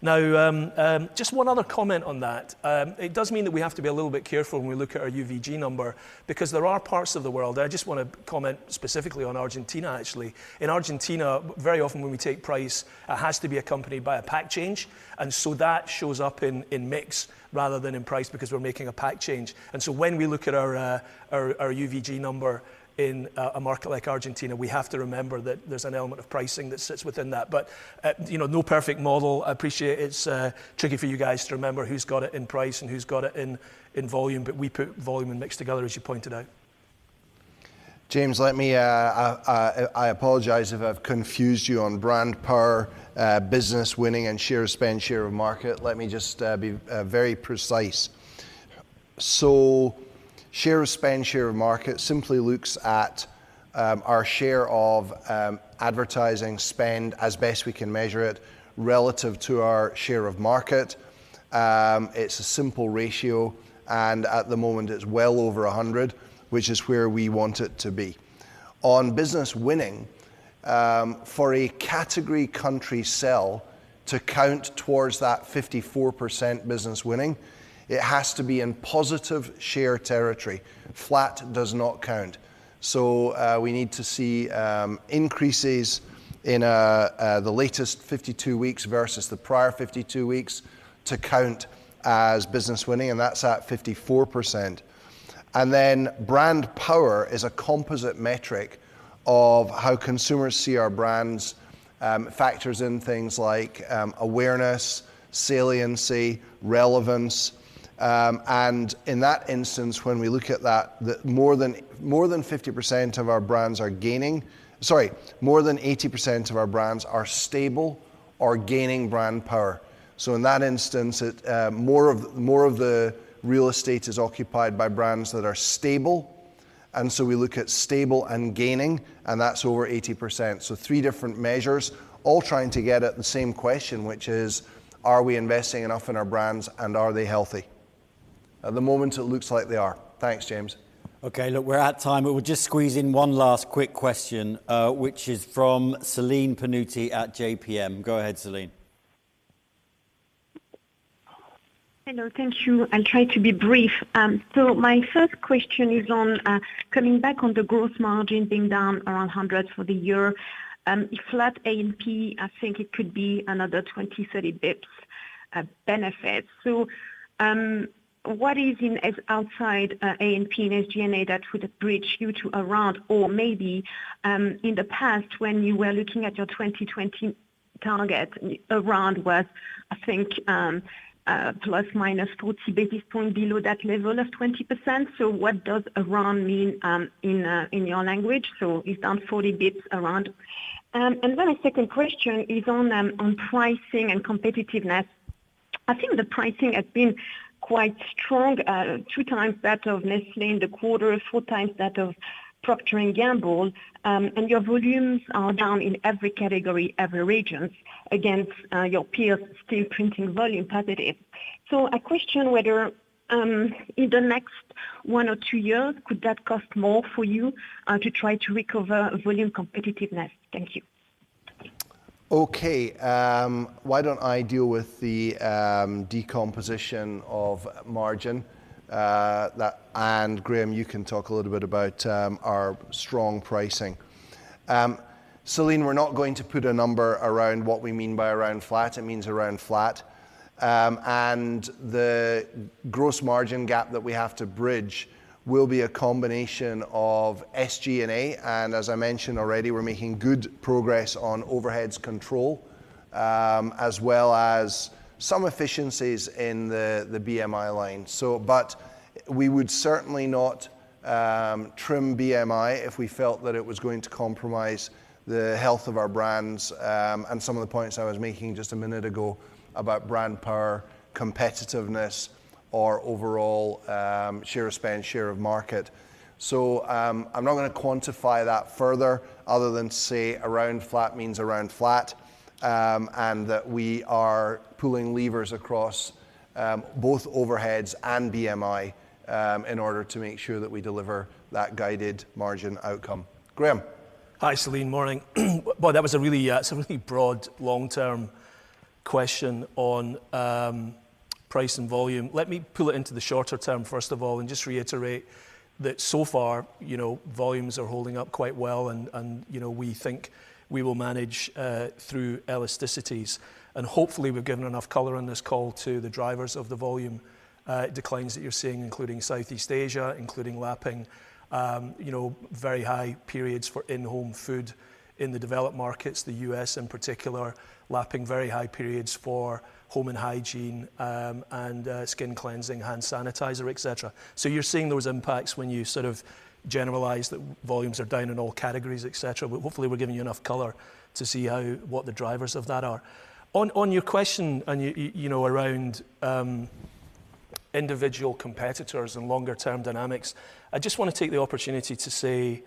Speaker 4: Just one other comment on that. It does mean that we have to be a little bit careful when we look at our UVG number, because there are parts of the world, I just want to comment specifically on Argentina, actually. In Argentina, very often when we take price, it has to be accompanied by a pack change, and so that shows up in mix rather than in price because we're making a pack change. When we look at our UVG number in a market like Argentina, we have to remember that there's an element of pricing that sits within that. No perfect model. I appreciate it's tricky for you guys to remember who's got it in price and who's got it in volume, but we put volume and mix together, as you pointed out.
Speaker 3: James, I apologize if I've confused you on brand power, business winning and share of spend, share of market. Let me just be very precise. Share of spend, share of market simply looks at our share of advertising spend as best we can measure it relative to our share of market. It's a simple ratio, and at the moment it's well over 100, which is where we want it to be. On business winning, for a category country sell to count towards that 54% business winning, it has to be in positive share territory. Flat does not count. We need to see increases in the latest 52 weeks versus the prior 52 weeks to count as business winning, and that's at 54%. Then brand power is a composite metric of how consumers see our brands. Factors in things like awareness, saliency, relevance. In that instance, when we look at that, more than 50% of our brands are gaining. Sorry, more than 80% of our brands are stable or gaining brand power. In that instance, more of the real estate is occupied by brands that are stable, and so we look at stable and gaining, and that's over 80%. Three different measures all trying to get at the same question, which is, are we investing enough in our brands and are they healthy? At the moment, it looks like they are. Thanks, James.
Speaker 2: Okay, look, we're out of time, but we'll just squeeze in last quick question, which is from Celine Pannuti at JPM. Go ahead, Celine.
Speaker 11: Hello, thank you. I'll try to be brief. My first question is on coming back on the gross margin being down around 100 basis points for the year. Flat A&P, I think it could be another 20, 30 basis points benefit. What is outside A&P and SG&A that would bridge you to around? Maybe, in the past when you were looking at your 2020 target, around was, I think, ±40 basis points below that level of 20%. What does around mean in your language? It's down 40 basis points around. My second question is on pricing and competitiveness. I think the pricing has been quite strong, two times that of Nestlé in the quarter, four times that of Procter & Gamble, and your volumes are down in every category, every region against your peers still printing volume positive. I question whether in the next one or two years, could that cost more for you to try to recover volume competitiveness? Thank you.
Speaker 3: Okay. Why don't I deal with the decomposition of margin, Graeme, you can talk a little bit about our strong pricing. Celine, we're not going to put a number around what we mean by around flat. It means around flat. The gross margin gap that we have to bridge will be a combination of SG&A, and as I mentioned already, we're making good progress on overheads control, as well as some efficiencies in the BMI line. We would certainly not trim BMI if we felt that it was going to compromise the health of our brands and some of the points I was making just a minute ago about brand power, competitiveness, or overall share of spend, share of market. I'm not going to quantify that further other than say around flat means around flat, and that we are pulling levers across both overheads and BMI in order to make sure that we deliver that guided margin outcome. Graeme?
Speaker 4: Hi, Celine. Morning. Well, that was a really broad long-term question on price and volume. Let me pull it into the shorter term first of all and just reiterate that so far, volumes are holding up quite well, and we think we will manage through elasticities. And hopefully we've given enough color on this call to the drivers of the volume declines that you're seeing, including Southeast Asia, including lapping very high periods for in-home food in the developed markets, the U.S. in particular, lapping very high periods for home and hygiene, and skin cleansing, hand sanitizer, et cetera. So you're seeing those impacts when you generalize that volumes are down in all categories, et cetera, but hopefully we're giving you enough color to see what the drivers of that are. On your question around individual competitors and longer term dynamics, I just want to take the opportunity to say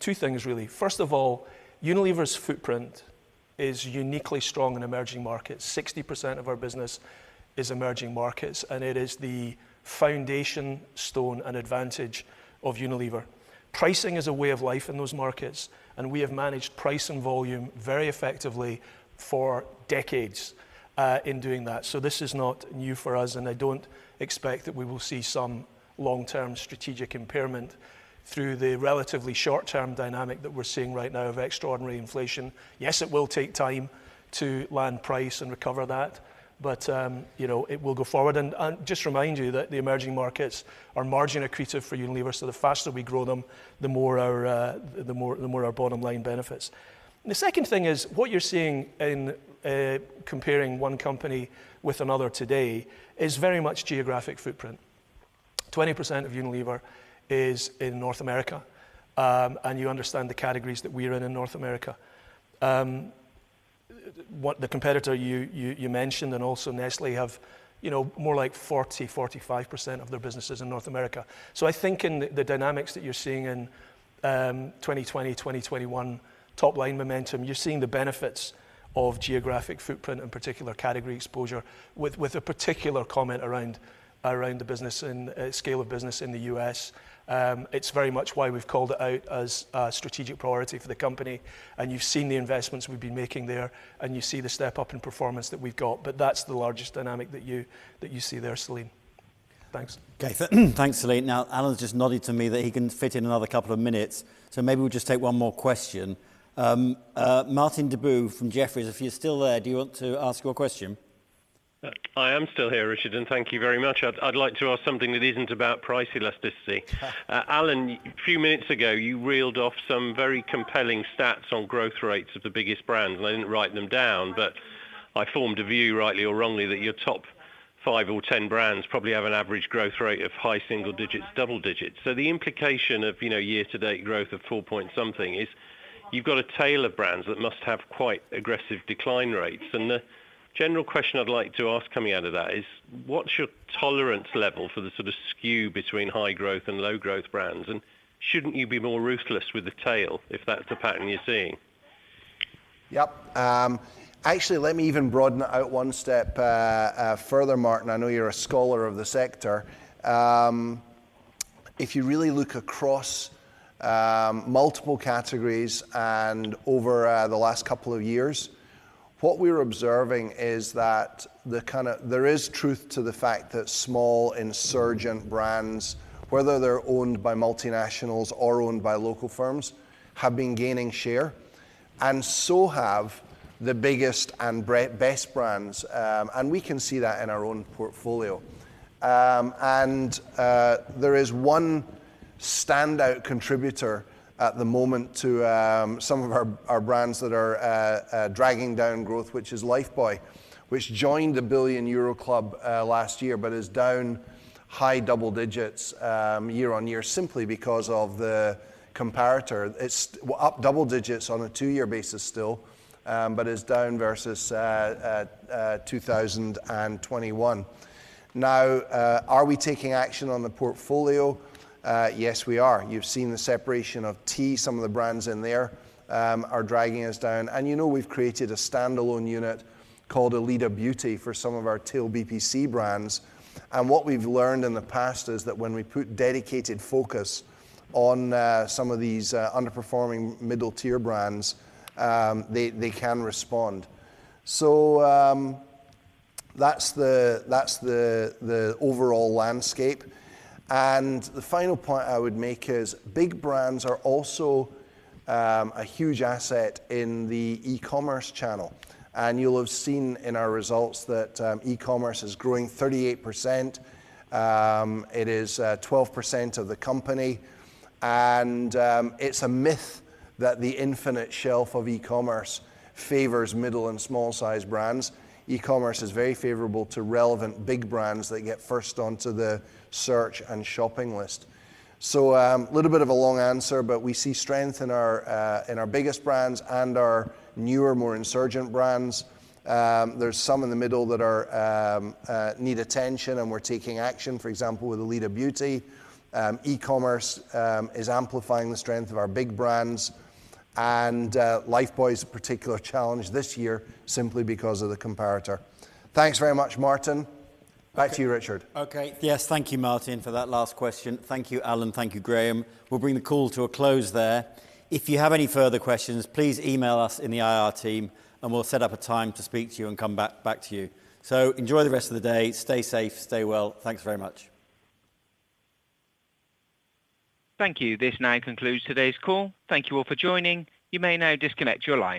Speaker 4: two things, really. First of all, Unilever's footprint is uniquely strong in emerging markets. 60% of our business is emerging markets, and it is the foundation stone and advantage of Unilever. Pricing is a way of life in those markets, and we have managed price and volume very effectively for decades in doing that. This is not new for us, and I don't expect that we will see some long-term strategic impairment through the relatively short-term dynamic that we're seeing right now of extraordinary inflation. Yes, it will take time to land price and recover that, but it will go forward. Just remind you that the emerging markets are margin accretive for Unilever, so the faster we grow them, the more our bottom line benefits. The second thing is, what you're seeing in comparing one company with another today is very much geographic footprint. 20% of Unilever is in North America, and you understand the categories that we are in North America. The competitor you mentioned and also Nestlé have more like 40, 45% of their businesses in North America. I think in the dynamics that you're seeing in 2020, 2021, top line momentum, you're seeing the benefits of geographic footprint and particular category exposure with a particular comment around the scale of business in the U.S. It's very much why we've called it out as a strategic priority for the company. You've seen the investments we've been making there, and you see the step up in performance that we've got. That's the largest dynamic that you see there, Celine. Thanks.
Speaker 2: Okay. Thanks, Celine. Now Alan's just nodded to me that he can fit in another couple of minutes, so maybe we'll just take one more question. Martin Deboo from Jefferies, if you're still there, do you want to ask your question?
Speaker 12: I am still here, Richard. Thank you very much. I'd like to ask something that isn't about price elasticity. Alan, a few minutes ago, you reeled off some very compelling stats on growth rates of the biggest brands, and I didn't write them down, but I formed a view, rightly or wrongly, that your top five or 10 brands probably have an average growth rate of high single digits, double digits. The implication of year-to-date growth of four point something is you've got a tail of brands that must have quite aggressive decline rates. The general question I'd like to ask coming out of that is, what's your tolerance level for the sort of skew between high growth and low growth brands? Shouldn't you be more ruthless with the tail if that's the pattern you're seeing?
Speaker 3: Yep. Actually, let me even broaden it out one step further, Martin. I know you're a scholar of the sector. If you really look across multiple categories and over the last couple of years, what we're observing is that there is truth to the fact that small insurgent brands, whether they're owned by multinationals or owned by local firms, have been gaining share, and so have the biggest and best brands. We can see that in our own portfolio. There is one standout contributor at the moment to some of our brands that are dragging down growth, which is Lifebuoy, which joined the billion EUR club last year, but is down high double digits year-on-year simply because of the comparator. It's up double digits on a two-year basis still, but is down versus 2021. Now are we taking action on the portfolio? Yes, we are. You've seen the separation of tea. Some of the brands in there are dragging us down. You know we've created a standalone unit called Elida Beauty for some of our tail BPC brands, and what we've learned in the past is that when we put dedicated focus on some of these underperforming middle tier brands, they can respond. That's the overall landscape. The final point I would make is big brands are also a huge asset in the e-commerce channel. You'll have seen in our results that e-commerce is growing 38%. It is 12% of the company, and it's a myth that the infinite shelf of e-commerce favors middle and small size brands. E-commerce is very favorable to relevant big brands that get first onto the search and shopping list. A little bit of a long answer, but we see strength in our biggest brands and our newer, more insurgent brands. There's some in the middle that need attention and we're taking action, for example, with Elida Beauty. E-commerce is amplifying the strength of our big brands, and Lifebuoy is a particular challenge this year simply because of the comparator. Thanks very much, Martin. Back to you, Richard.
Speaker 2: Okay. Yes, thank you, Martin, for that last question. Thank you, Alan, thank you, Graeme. We'll bring the call to a close there. If you have any further questions, please email us in the IR team and we'll set up a time to speak to you and come back to you. Enjoy the rest of the day, stay safe, stay well. Thanks very much.
Speaker 1: Thank you. This now concludes today's call. Thank you all for joining. You may now disconnect your line.